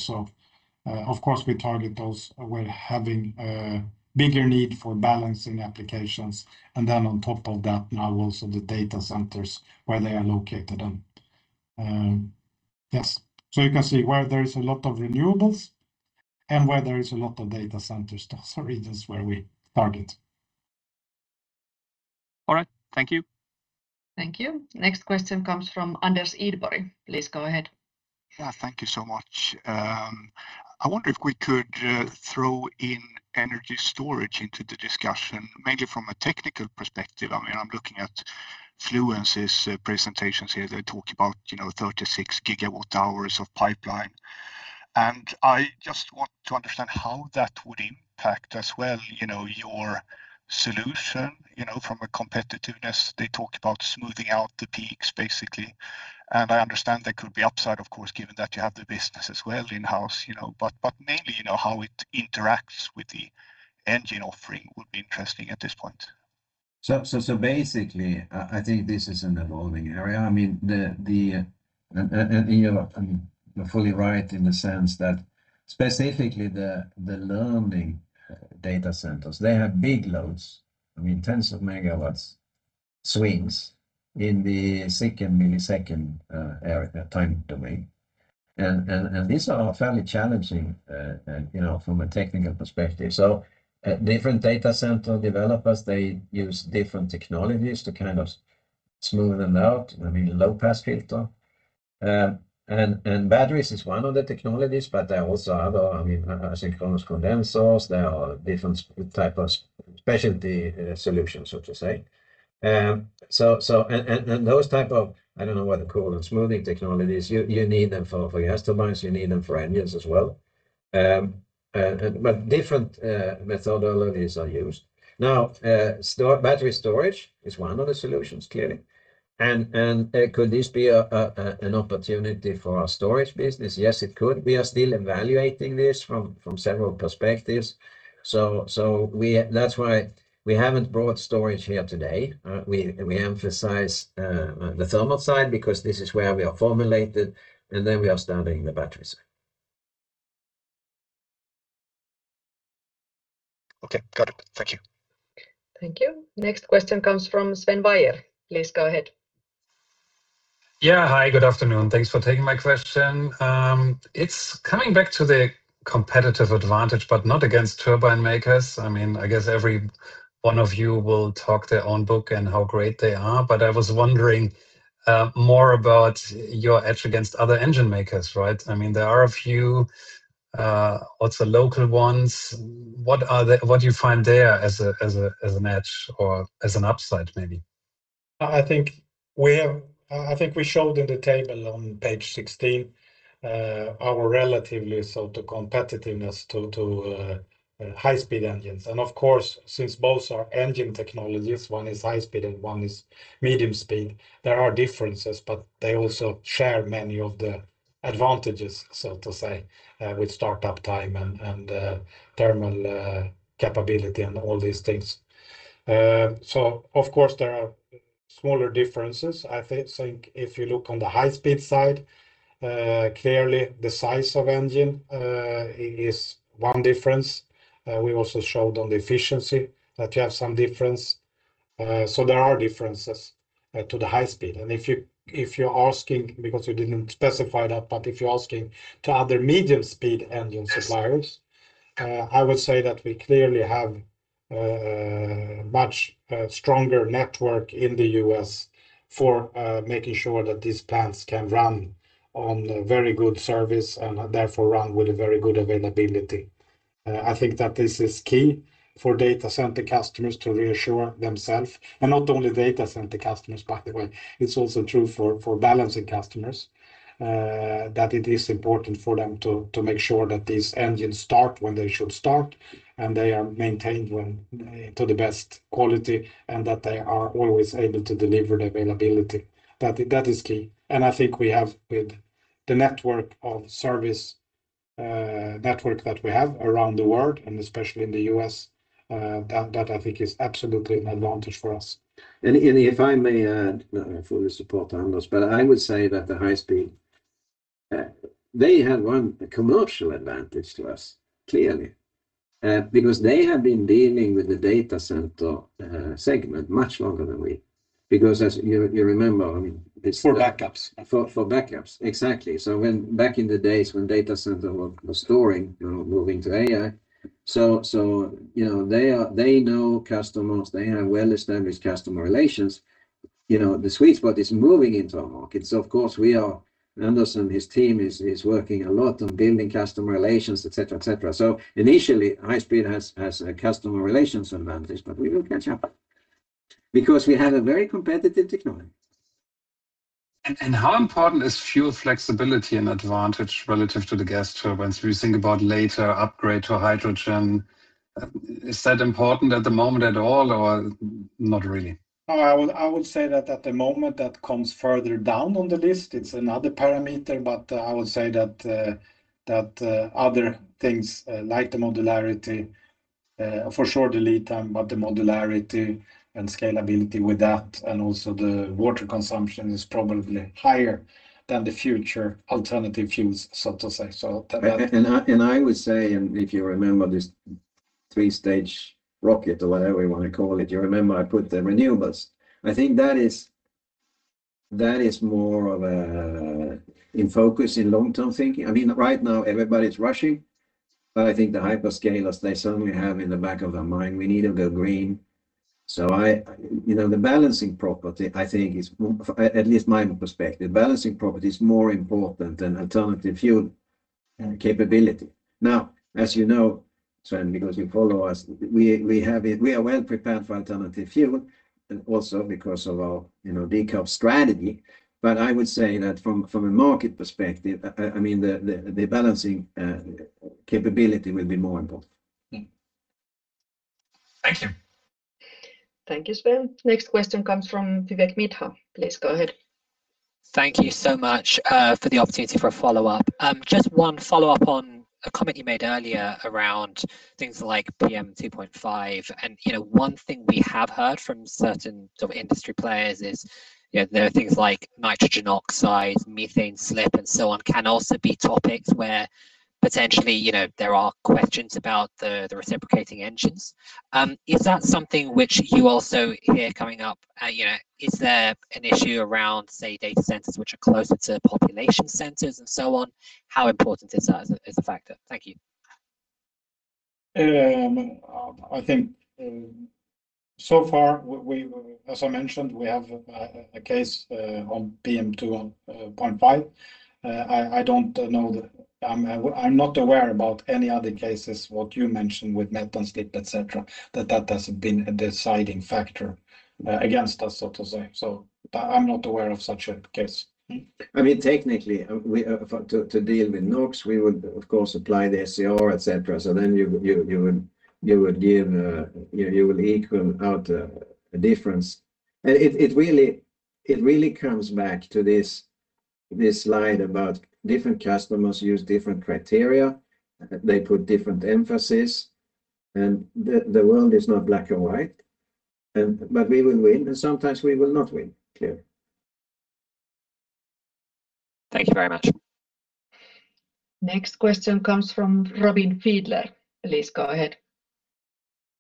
So, of course, we target those. We're having a bigger need for balancing applications, and then on top of that, now also the data centers where they are located on. Yes, so you can see where there is a lot of renewables and where there is a lot of data centers. Those are regions where we target. All right. Thank you. Thank you. Next question comes from Anders Idborg. Please go ahead. Yeah, thank you so much. I wonder if we could throw in energy storage into the discussion, mainly from a technical perspective. I mean, I'm looking at Fluence's presentations here. They talk about, you know, 36 GWh of pipeline, and I just want to understand how that would impact as well, you know, your solution, you know, from a competitiveness. They talked about smoothing out the peaks, basically, and I understand there could be upside, of course, given that you have the business as well in-house, you know, but, but mainly, you know, how it interacts with the engine offering would be interesting at this point. Basically, I think this is an evolving area. I mean, and you're fully right in the sense that specifically the learning data centers, they have big loads, I mean, tens of megawatts swings in the second, millisecond area, time domain. These are fairly challenging, you know, from a technical perspective. Different data center developers, they use different technologies to kind of smooth them out, I mean, low pass filter. Batteries is one of the technologies, but there are also other, I mean, synchronous condensers. There are different type of specialty solutions, so to say. So, those type of, I don't know what to call them, smoothing technologies, you need them for your gas turbines, you need them for engines as well. But different methodologies are used. Now, battery storage is one of the solutions, clearly, and could this be an opportunity for our storage business? Yes, it could. We are still evaluating this from several perspectives, so that's why we haven't brought storage here today. We emphasize the thermal side because this is where we are formulated, and then we are starting the battery side. Okay. Got it. Thank you. Thank you. Next question comes from Sven Weier. Please go ahead. Yeah. Hi, good afternoon. Thanks for taking my question. It's coming back to the competitive advantage, but not against turbine makers. I mean, I guess every one of you will talk their own book and how great they are, but I was wondering more about your edge against other engine makers, right? I mean, there are a few also local ones. What do you find there as a, as a, as an edge or as an upside, maybe? I think we showed in the table on page 16 our relatively so the competitiveness to high-speed engines. And of course, since both are engine technologies, one is high speed and one is medium speed, there are differences, but they also share many of the advantages, so to say, with startup time and thermal capability and all these things. So of course, there are smaller differences. I think if you look on the high-speed side, clearly the size of engine is one difference. We also showed on the efficiency that you have some difference. So there are differences to the high speed. If you, if you're asking because you didn't specify that, but if you're asking to other medium-speed engine suppliers, I would say that we clearly have much stronger network in the U.S. for making sure that these plants can run on very good service and therefore run with a very good availability. I think that this is key for data center customers to reassure themselves, and not only data center customers, by the way, it's also true for balancing customers, that it is important for them to make sure that these engines start when they should start, and they are maintained when to the best quality, and that they are always able to deliver the availability. That is key, and I think we have with the network of service, network that we have around the world, and especially in the U.S., that I think is absolutely an advantage for us. If I may add, I fully support Anders, but I would say that the high speed they have one commercial advantage to us, clearly. Because they have been dealing with the data center segment much longer than we. Because as you remember, I mean- For backups. For backups. Exactly. So when back in the days when data center was storing, you know, moving to AI, so, you know, they are, they know customers, they have well-established customer relations. You know, the sweet spot is moving into our market. So of course, we are, Anders and his team is working a lot on building customer relations, et cetera, et cetera. So initially, high speed has a customer relations advantage, but we will catch up because we have a very competitive technology. How important is fuel flexibility and advantage relative to the gas turbines? We think about later upgrade to hydrogen. Is that important at the moment at all, or not really? Oh, I would, I would say that at the moment, that comes further down on the list. It's another parameter, but I would say that that other things like the modularity, for sure, the lead time, but the modularity and scalability with that, and also the water consumption is probably higher than the future alternative fuels, so to say. So- I would say, if you remember this three-stage rocket or whatever you want to call it, you remember I put the renewables. I think that is more of a in focus in long-term thinking. I mean, right now everybody's rushing, but I think the hyperscalers, they certainly have in the back of their mind, "We need to go green." So I... You know, the balancing property, I think, is, at least my perspective, balancing property is more important than alternative fuel capability. Now, as you know, Sven, because you follow us, we are well prepared for alternative fuel, and also because of our, you know, decarb strategy. But I would say that from a market perspective, I mean, the balancing capability will be more important. Thank you. Thank you, Sven. Next question comes from Vivek Midha. Please go ahead. Thank you so much, for the opportunity for a follow-up. Just one follow-up on a comment you made earlier around things like PM 2.5. And, you know, one thing we have heard from certain sort of industry players is, you know, there are things like nitrogen oxide, methane slip, and so on, can also be topics where potentially, you know, there are questions about the reciprocating engines. Is that something which you also hear coming up? You know, is there an issue around, say, data centers, which are closer to population centers and so on? How important is that as a factor? Thank you. I think, so far, as I mentioned, we have a case on PM2.5. I'm not aware about any other cases, what you mentioned with methane slip, et cetera, that has been a deciding factor against us, so to say. So I'm not aware of such a case. I mean, technically, we to deal with NOx, we would of course apply the SCR, et cetera. So then you would give you will equal out a difference. And it really comes back to this slide about different customers use different criteria. They put different emphasis, and the world is not black and white, but we will win, and sometimes we will not win. Clear. Thank you very much. Next question comes from Robin Fiedler. Please go ahead.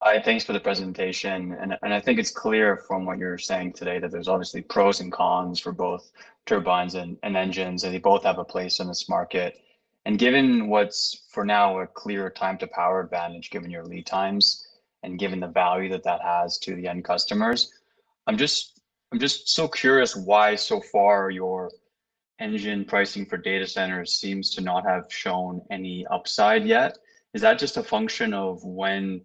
Hi, thanks for the presentation. I think it's clear from what you're saying today that there's obviously pros and cons for both turbines and engines, and they both have a place in this market. Given what's for now a clear time-to-power advantage, given your lead times and given the value that that has to the end customers, I'm just so curious why, so far, your engine pricing for data centers seems to not have shown any upside yet. Is that just a function of when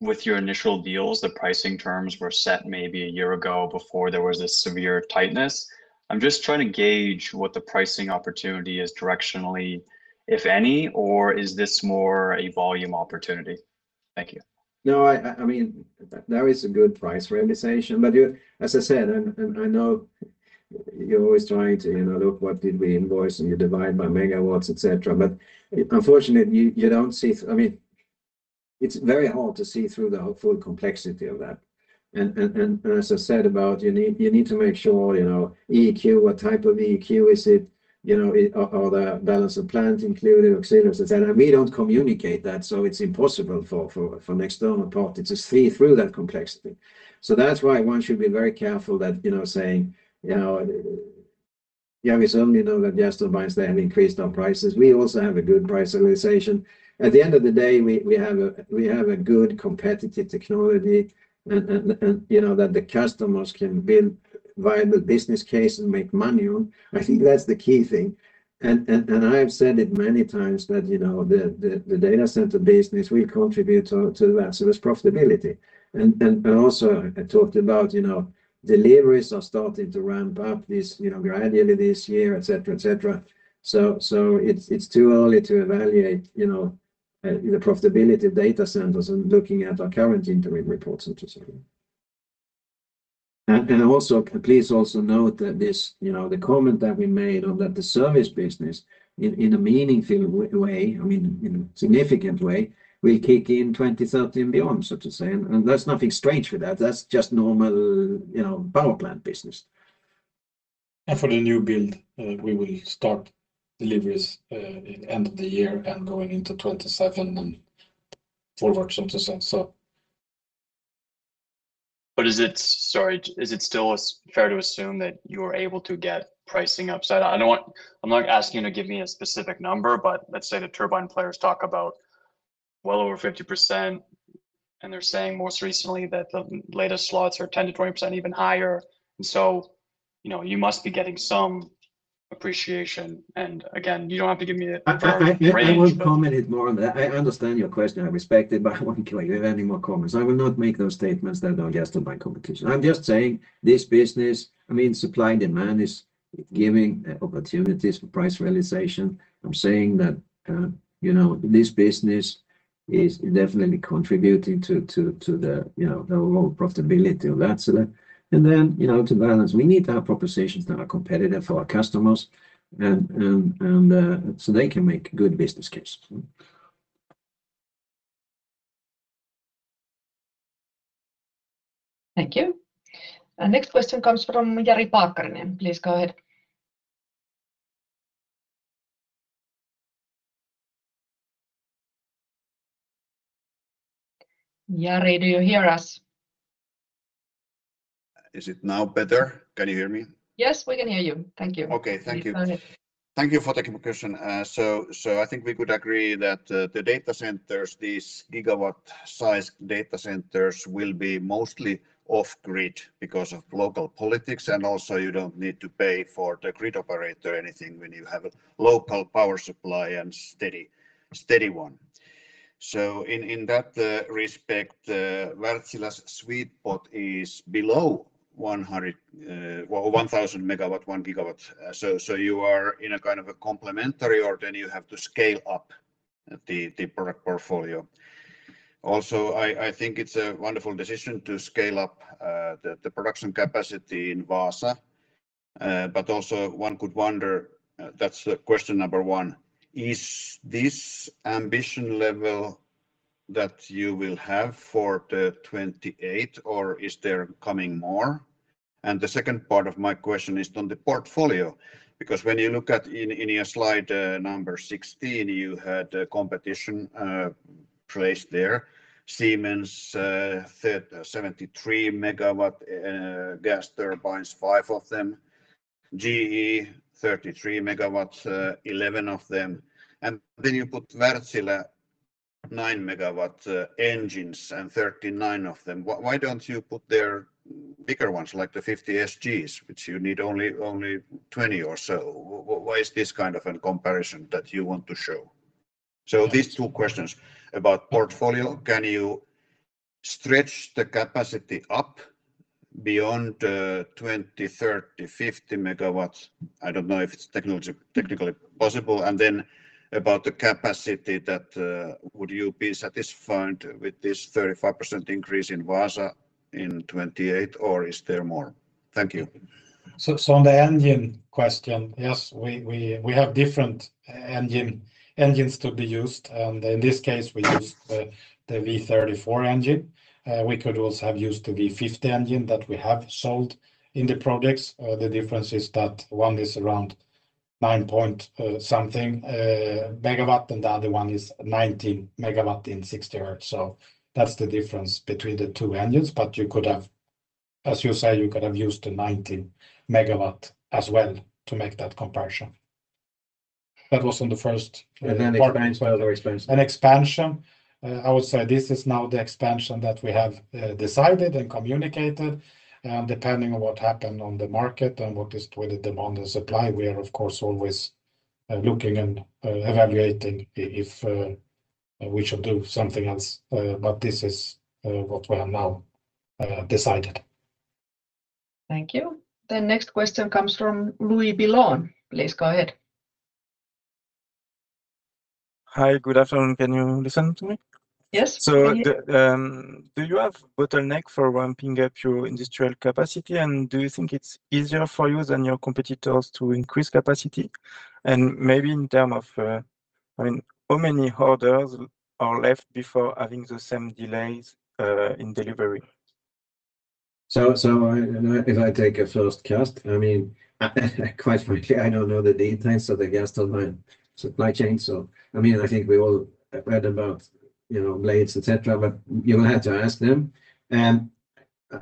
with your initial deals the pricing terms were set maybe a year ago before there was this severe tightness? I'm just trying to gauge what the pricing opportunity is directionally, if any, or is this more a volume opportunity? Thank you. No, I mean, that is a good price realization. But you, as I said, and I know you're always trying to, you know, look, what did we invoice, and you divide by megawatts, et cetera. But unfortunately, you don't see, I mean, it's very hard to see through the whole full complexity of that. And as I said about, you need to make sure, you know, EEQ, what type of EEQ is it? You know, are the balance of plant included, et cetera, et cetera. We don't communicate that, so it's impossible for from an external party to see through that complexity. So that's why one should be very careful that, you know, saying, you know, yeah, we certainly know that gas turbines, they have increased our prices. We also have a good price realization. At the end of the day, we have a good competitive technology, and you know that the customers can build viable business case and make money on. I think that's the key thing, and I have said it many times that you know the data center business will contribute to Wärtsilä's profitability. And also, I talked about you know deliveries are starting to ramp up gradually this year, et cetera, et cetera. So it's too early to evaluate you know the profitability of data centers and looking at our current interim reports, so to say. Also, please also note that this, you know, the comment that we made on that the service business in a meaningful way, I mean, in a significant way, will kick in 2030 and beyond, so to say. And that's nothing strange with that. That's just normal, you know, power plant business. For the new build, we will start deliveries in end of the year and going into 2027 and forward, so to say, so. But is it... Sorry, is it still as fair to assume that you are able to get pricing upside? I don't want-- I'm not asking you to give me a specific number, but let's say the turbine players talk about well over 50%, and they're saying most recently that the latest slots are 10%-20%, even higher. And so, you know, you must be getting some appreciation. And again, you don't have to give me a firm range, but- I won't comment it more on that. I understand your question, I respect it, but I won't give any more comments. I will not make those statements that are just on my competition. I'm just saying this business, I mean, supply and demand is giving opportunities for price realization. I'm saying that, you know, this business is definitely contributing to the, you know, the overall profitability of Wärtsilä. And then, you know, to balance, we need to have propositions that are competitive for our customers and so they can make good business case. Thank you. Our next question comes from [Jari Paakkarinen]. Please go ahead. [Jari], do you hear us? Is it now better? Can you hear me? Yes, we can hear you. Thank you. Okay, thank you. We heard it. Thank you for the question. I think we could agree that the data centers, these gigawatt-sized data centers, will be mostly off-grid because of local politics, and also you don't need to pay for the grid operator anything when you have a local power supply and steady one. So in that respect, Wärtsilä sweet spot is below 100, well, 1,000 MW, 1 GW. So you are in a kind of a complementary, or then you have to scale up the product portfolio. Also, I think it's a wonderful decision to scale up the production capacity in Vaasa, but also one could wonder, that's question number one: Is this ambition level that you will have for 2028, or is there coming more? And the second part of my question is on the portfolio, because when you look at in your slide number 16, you had a competition placed there. Siemens third 73 MW gas turbines, five of them, GE 33 MW, 11 of them, and then you put Wärtsilä 9 MW engines, and 39 of them. Why don't you put their bigger ones, like the 50SGs, which you need only 20 or so? Why is this kind of a comparison that you want to show? So these two questions about portfolio, can you stretch the capacity up beyond 20 MW, 30 MW, 50 MW? I don't know if it's technically possible. And then about the capacity, that would you be satisfied with this 35% increase in Vaasa in 2028, or is there more? Thank you. So on the engine question, yes, we have different engines to be used, and in this case, we used the V34 engine. We could also have used the V50 engine that we have sold in the projects. The difference is that one is around 9.-something MW, and the other one is 19 MW in 60 Hz. So that's the difference between the two engines, but you could have, as you say, you could have used the 19 MW as well to make that comparison. That was on the first- And then expansion, or expansion? And expansion, I would say this is now the expansion that we have decided and communicated. And depending on what happened on the market and what is with the demand and supply, we are, of course, always looking and evaluating if we should do something else, but this is what we have now decided.... Thank you. The next question comes from Louis Billon. Please go ahead. Hi, good afternoon. Can you listen to me? Yes. Do you have bottleneck for ramping up your industrial capacity, and do you think it's easier for you than your competitors to increase capacity? Maybe in terms of, I mean, how many orders are left before having the same delays in delivery? So, if I take a first cast, I mean, quite frankly, I don't know the details of the gas turbine supply chain. So, I mean, I think we all read about, you know, blades, et cetera, but you will have to ask them. And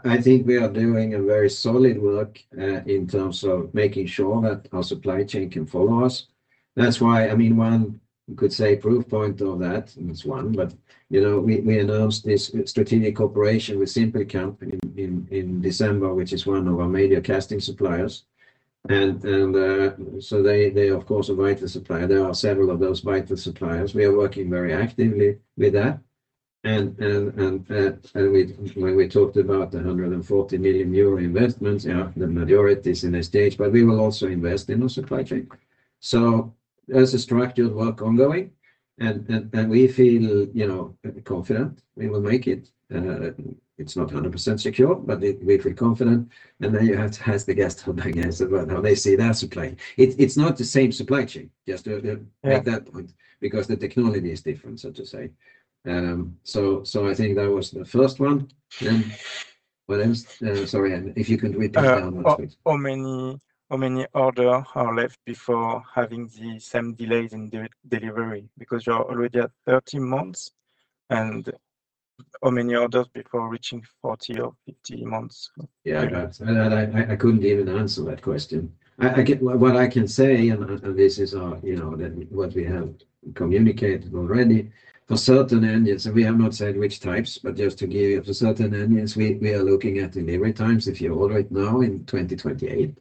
I think we are doing a very solid work in terms of making sure that our supply chain can follow us. That's why, I mean, one, you could say, proof point of that, and it's one, but, you know, we announced this strategic operation with Siempelkamp in December, which is one of our major casting suppliers. And so they, of course, are vital supplier. There are several of those vital suppliers. We are working very actively with that. When we talked about the 140 million euro investments, you know, the majority is in this stage, but we will also invest in our supply chain. So there's a structured work ongoing, and we feel, you know, confident we will make it. It's not 100% secure, but we feel confident. And then you have to ask the gas turbine guys about how they see their supply. It's not the same supply chain, just at that point, because the technology is different, so to say. So I think that was the first one. Then what else? Sorry, and if you could repeat that one once please. How many orders are left before having the same delays in delivery? Because you're already at 13 months, and how many orders before reaching 40 or 50 months? Yeah, that and I couldn't even answer that question. I get— What I can say, and this is, you know, that what we have communicated already, for certain engines, and we have not said which types, but just to give you, for certain engines, we are looking at delivery times, if you order it now, in 2028.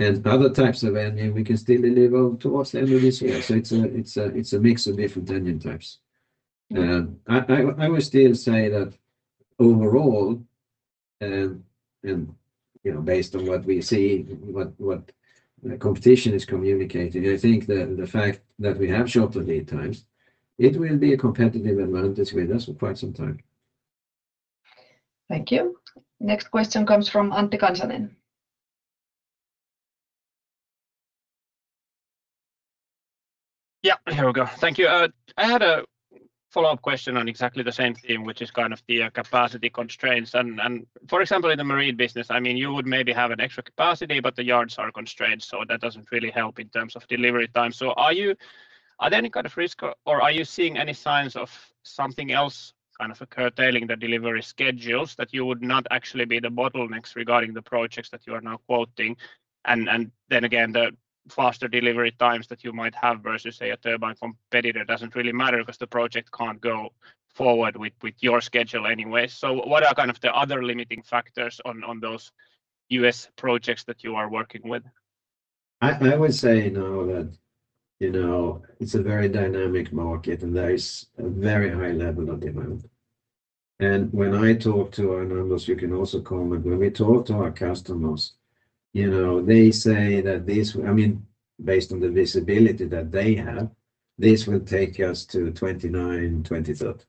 And other types of engine, we can still deliver towards the end of this year. So it's a mix of different engine types. I would still say that overall, and, you know, based on what we see, what the competition is communicating, I think the fact that we have shorter lead times, it will be a competitive advantage with us for quite some time. Thank you. Next question comes from Antti Kansanen. Yeah, here we go. Thank you. I had a follow-up question on exactly the same theme, which is kind of the capacity constraints and, and for example, in the marine business, I mean, you would maybe have an extra capacity, but the yards are constrained, so that doesn't really help in terms of delivery time. So are you at any kind of risk, or are you seeing any signs of something else kind of curtailing the delivery schedules, that you would not actually be the bottlenecks regarding the projects that you are now quoting? And, and then again, the faster delivery times that you might have versus, say, a turbine competitor, doesn't really matter because the project can't go forward with, with your schedule anyway. So what are kind of the other limiting factors on, on those U.S. projects that you are working with? I would say now that, you know, it's a very dynamic market, and there is a very high level of demand. And when I talk to our members, you can also comment, when we talk to our customers, you know, they say that this... I mean, based on the visibility that they have, this will take us to 2029, 2030.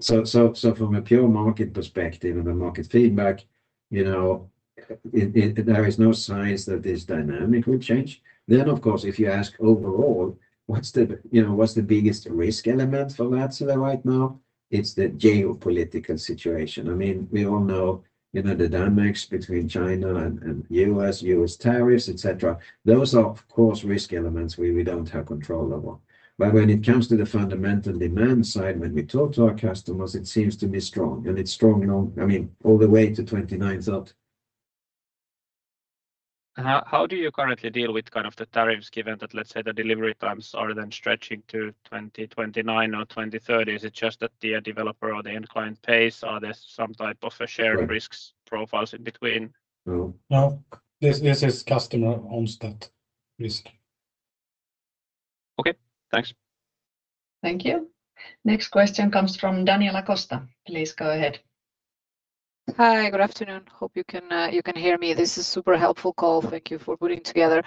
So, from a pure market perspective and the market feedback, you know, there is no signs that this dynamic will change. Then, of course, if you ask overall, what's the, you know, what's the biggest risk element for Wärtsilä right now? It's the geopolitical situation. I mean, we all know, you know, the dynamics between China and U.S., U.S. tariffs, et cetera. Those are, of course, risk elements we don't have control over. When it comes to the fundamental demand side, when we talk to our customers, it seems to be strong, and it's strong, you know, I mean, all the way to 2029, 2030. How do you currently deal with kind of the tariffs, given that, let's say, the delivery times are then stretching to 2029 or 2030? Is it just that the developer or the end client pays, or there's some type of a shared risks profiles in between? No. No, this is customer owns that risk. Okay, thanks. Thank you. Next question comes from Daniel Acosta. Please go ahead. Hi, good afternoon. Hope you can you can hear me. This is super helpful call. Thank you for putting together.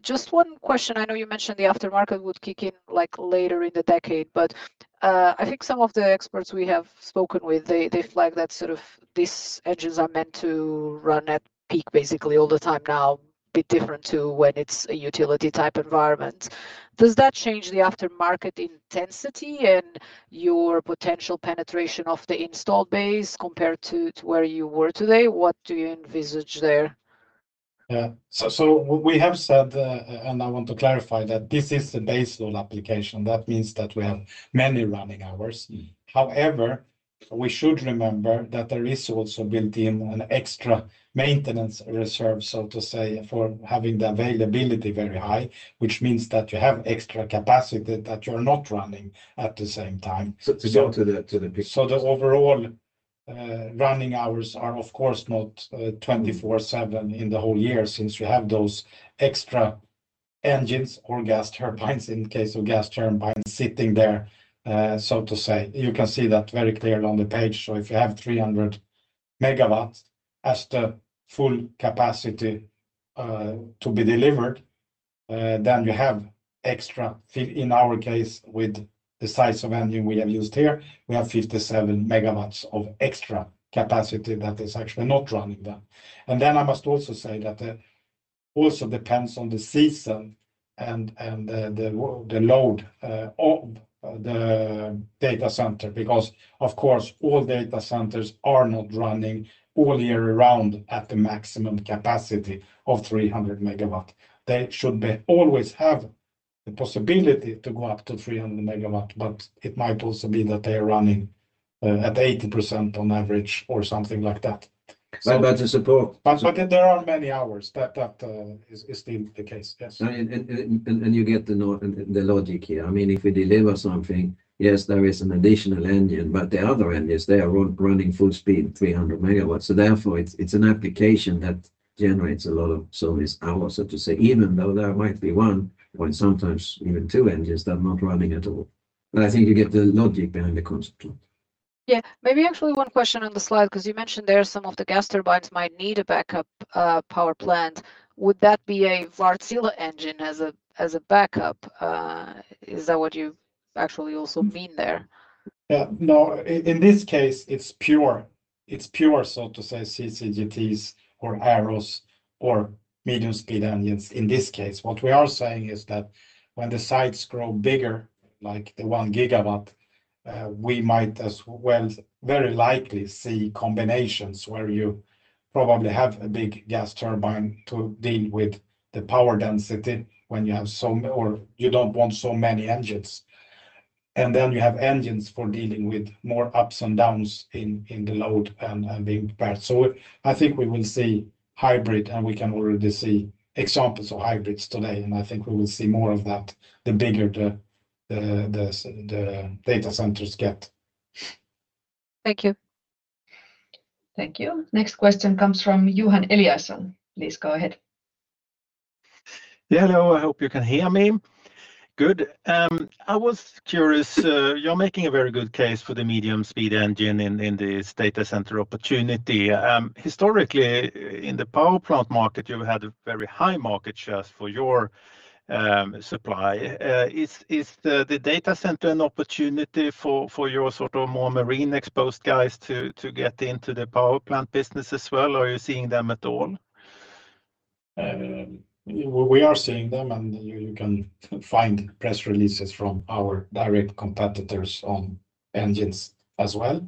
Just one question. I know you mentioned the aftermarket would kick in, like, later in the decade, but I think some of the experts we have spoken with, they flag that sort of these engines are meant to run at peak, basically, all the time now, bit different to when it's a utility-type environment. Does that change the aftermarket intensity and your potential penetration of the installed base compared to where you were today? What do you envisage there? Yeah. So, so we have said, and I want to clarify, that this is a baseload application. That means that we have many running hours. However, we should remember that there is also built in an extra maintenance reserve, so to say, for having the availability very high, which means that you have extra capacity that you're not running at the same time. So to go to the The overall running hours are, of course, not 24/7 in the whole year, since you have those extra engines or gas turbines, in case of gas turbines, sitting there, so to say. You can see that very clearly on the page. If you have 300 MW as the full capacity to be delivered, then you have extra. In our case, with the size of engine we have used here, we have 57 MW of extra capacity that is actually not running then. And then I must also say that it also depends on the season and the load of the data center, because of course, all data centers are not running all year round at the maximum capacity of 300 MW. They should be always have the possibility to go up to 300 MW, but it might also be that they are running at 80% on average or something like that. But that's a support. But there are many hours that is the case. Yes. And you get the logic here. I mean, if we deliver something, yes, there is an additional engine, but the other end is they are running full speed, 300 MW. So therefore, it's an application that generates a lot of service hours, so to say, even though there might be one, or sometimes even two engines that are not running at all. But I think you get the logic behind the concept. Yeah. Maybe actually one question on the slide, 'cause you mentioned there some of the gas turbines might need a backup power plant. Would that be a Wärtsilä engine as a backup? Is that what you actually also mean there? Yeah. No, in this case, it's pure, it's pure, so to say, CCGTs or aeros or medium-speed engines in this case. What we are saying is that when the sites grow bigger, like the 1 GW, we might as well very likely see combinations where you probably have a big gas turbine to deal with the power density when you have or you don't want so many engines. And then you have engines for dealing with more ups and downs in the load and being prepared. So I think we will see hybrid, and we can already see examples of hybrids today, and I think we will see more of that, the bigger the data centers get. Thank you. Thank you. Next question comes from Johan Eliason. Please go ahead. Yeah, hello, I hope you can hear me. Good. I was curious, you're making a very good case for the medium-speed engine in this data center opportunity. Historically, in the power plant market, you've had a very high market shares for your supply. Is the data center an opportunity for your sort of more marine-exposed guys to get into the power plant business as well, or are you seeing them at all? We are seeing them, and you can find press releases from our direct competitors on engines as well.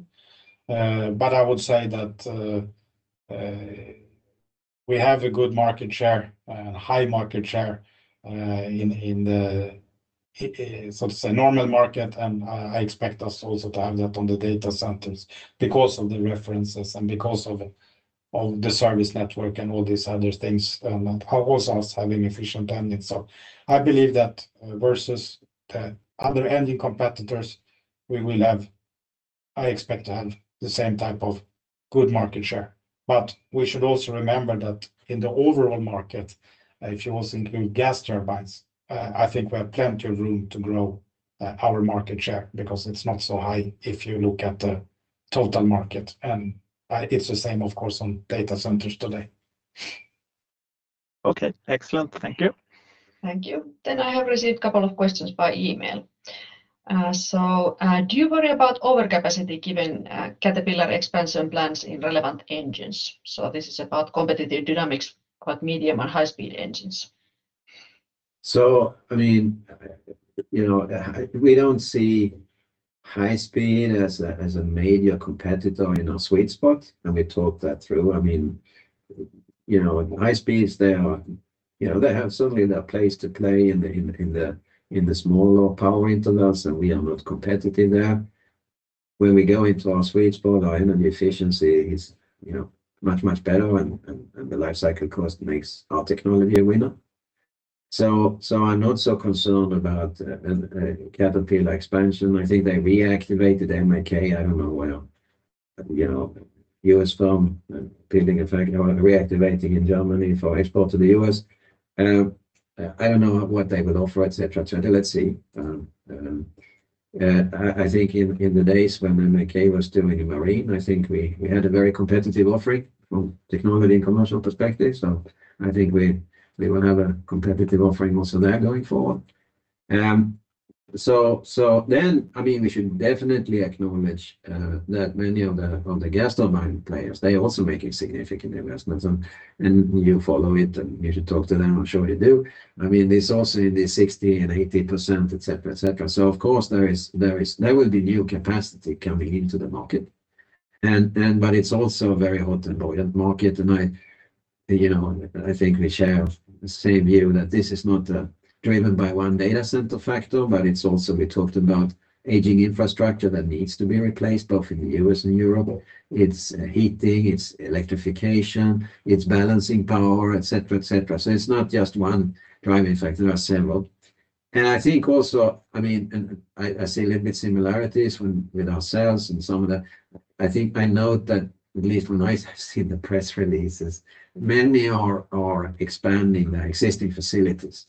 But I would say that we have a good market share, high market share, in the so to say, normal market, and I expect us also to have that on the data centers because of the references and because of the service network and all these other things, and also us having efficient engines. So I believe that versus the other engine competitors, we will have. I expect to have the same type of good market share. But we should also remember that in the overall market, if you also include gas turbines, I think we have plenty of room to grow our market share because it's not so high if you look at the total market, and it's the same, of course, on data centers today. Okay, excellent. Thank you. Thank you. I have received a couple of questions by email. So, do you worry about overcapacity given Caterpillar expansion plans in relevant engines? So this is about competitive dynamics about medium and high-speed engines. So, I mean, you know, we don't see high speed as a major competitor in our sweet spot, and we talked that through. I mean, you know, high speeds, they are, you know, they have certainly their place to play in the smaller power intervals, and we are not competitive there. When we go into our sweet spot, our energy efficiency is, you know, much, much better, and the life cycle cost makes our technology a winner. So, I'm not so concerned about Caterpillar expansion. I think they reactivated MAK, I don't know, well, you know, U.S. firm building a factory or reactivating in Germany for export to the U.S.. I don't know what they would offer, et cetera, et cetera. Let's see. I think in the days when MAK was doing marine, I think we had a very competitive offering from technology and commercial perspective, so I think we will have a competitive offering also there going forward. So then, I mean, we should definitely acknowledge that many of the gas turbine players, they are also making significant investments, and you follow it, and you should talk to them. I'm sure you do. I mean, this also in the 60% and 80%, et cetera, et cetera. So of course, there will be new capacity coming into the market. But it's also a very hot and buoyant market, and I, you know, I think we share the same view that this is not driven by one data center factor, but it's also we talked about aging infrastructure that needs to be replaced, both in the U.S. and Europe. It's heating, it's electrification, it's balancing power, et cetera, et cetera. So it's not just one driving factor, there are several. And I think also, I mean, I see a little bit similarities with ourselves and some of the—I think I know that at least when I see the press releases, many are expanding their existing facilities,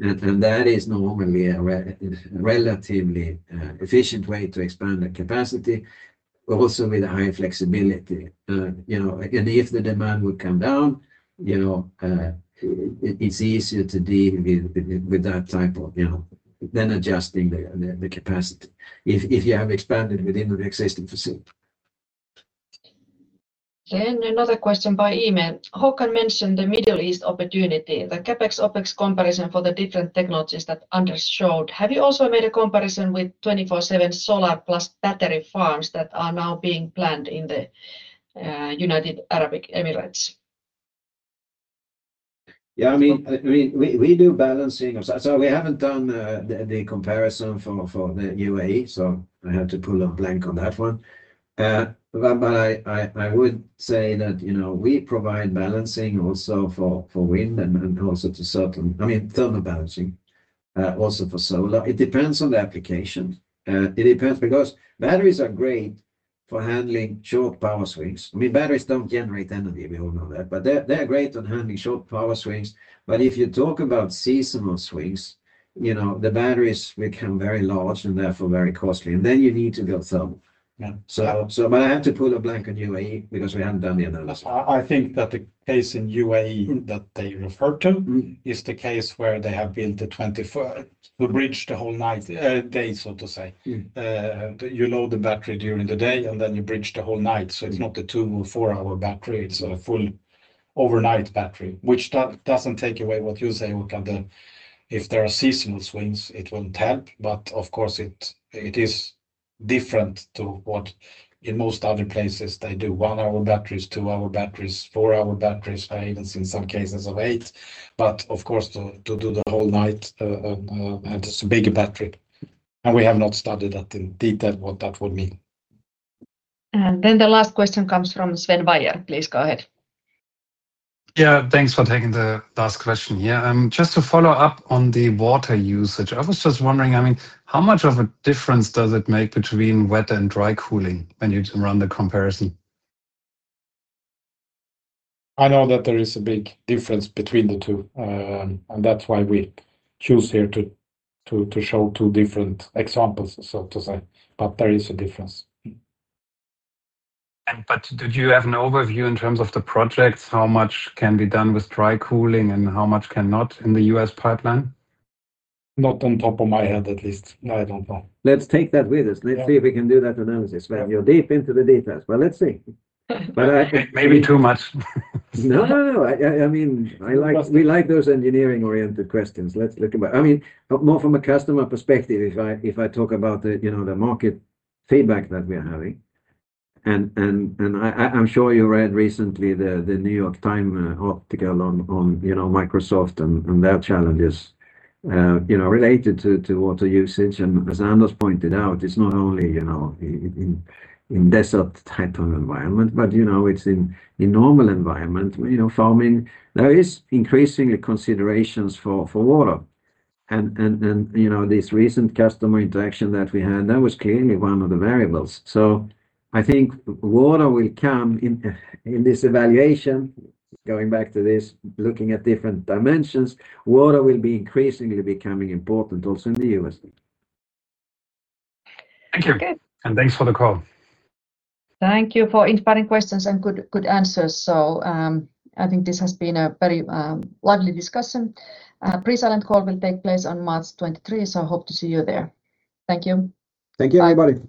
and that is normally a relatively efficient way to expand the capacity, but also with a high flexibility. You know, and if the demand would come down, you know, it's easier to deal with that type of, you know, than adjusting the capacity if you have expanded within the existing facility. Then another question by email. Håkan mentioned the Middle East opportunity, the CapEx, OpEx comparison for the different technologies that Anders showed. Have you also made a comparison with 24/7 solar plus battery farms that are now being planned in the United Arab Emirates? Yeah, I mean, we do balancing. So we haven't done the comparison for the UAE, so I have to draw a blank on that one. But I would say that, you know, we provide balancing also for wind and also to certain, I mean, thermal balancing also for solar. It depends on the application. It depends because batteries are great for handling short power swings. I mean, batteries don't generate energy, we all know that, but they're great on handling short power swings. But if you talk about seasonal swings, you know, the batteries become very large and therefore very costly, and then you need to build some. Yeah. But I have to pull a blank on UAE because we haven't done the analysis. I think that the case in UAE that they refer to- Mm. is the case where they have built the 24, to bridge the whole night, day, so to say. Mm. You load the battery during the day, and then you bridge the whole night. Mm. So it's not a two or four-hour battery, it's a full overnight battery, which doesn't take away what you say, Håkan, that if there are seasonal swings, it won't help. But of course, it, it is different to what in most other places they do one-hour batteries, two-hour batteries, four-hour batteries, even in some cases of eight. But of course, to, to do the whole night, that is a bigger battery, and we have not studied that in detail, what that would mean. And then the last question comes from Sven Weier. Please go ahead. Yeah, thanks for taking the last question here. Just to follow up on the water usage, I was just wondering, I mean, how much of a difference does it make between wet and dry cooling when you run the comparison? I know that there is a big difference between the two, and that's why we choose here to show two different examples, so to say. But there is a difference. Mm. Do you have an overview in terms of the projects, how much can be done with dry cooling and how much cannot in the U.S. pipeline? Not off the top of my head, at least. No, I don't know. Let's take that with us. Yeah. Let's see if we can do that analysis- Yeah -when you're deep into the details. Well, let's see. But I- Maybe too much. No, no, no. I mean, I like- Too much... we like those engineering-oriented questions. Let's look. I mean, but more from a customer perspective, if I talk about the, you know, the market feedback that we are having, and I, I'm sure you read recently the New York Times article on, you know, Microsoft and their challenges, you know, related to water usage. And as Anders pointed out, it's not only, you know, in desert-type of environment, but, you know, it's in normal environment, you know, farming, there is increasingly considerations for water. And, you know, this recent customer interaction that we had, that was clearly one of the variables. So I think water will come in this evaluation, going back to this, looking at different dimensions, water will be increasingly becoming important also in the U.S. Thank you. Okay. Thanks for the call. Thank you for inspiring questions and good, good answers. So, I think this has been a very lively discussion. Pre-silent call will take place on March 23, so hope to see you there. Thank you. Thank you, everybody.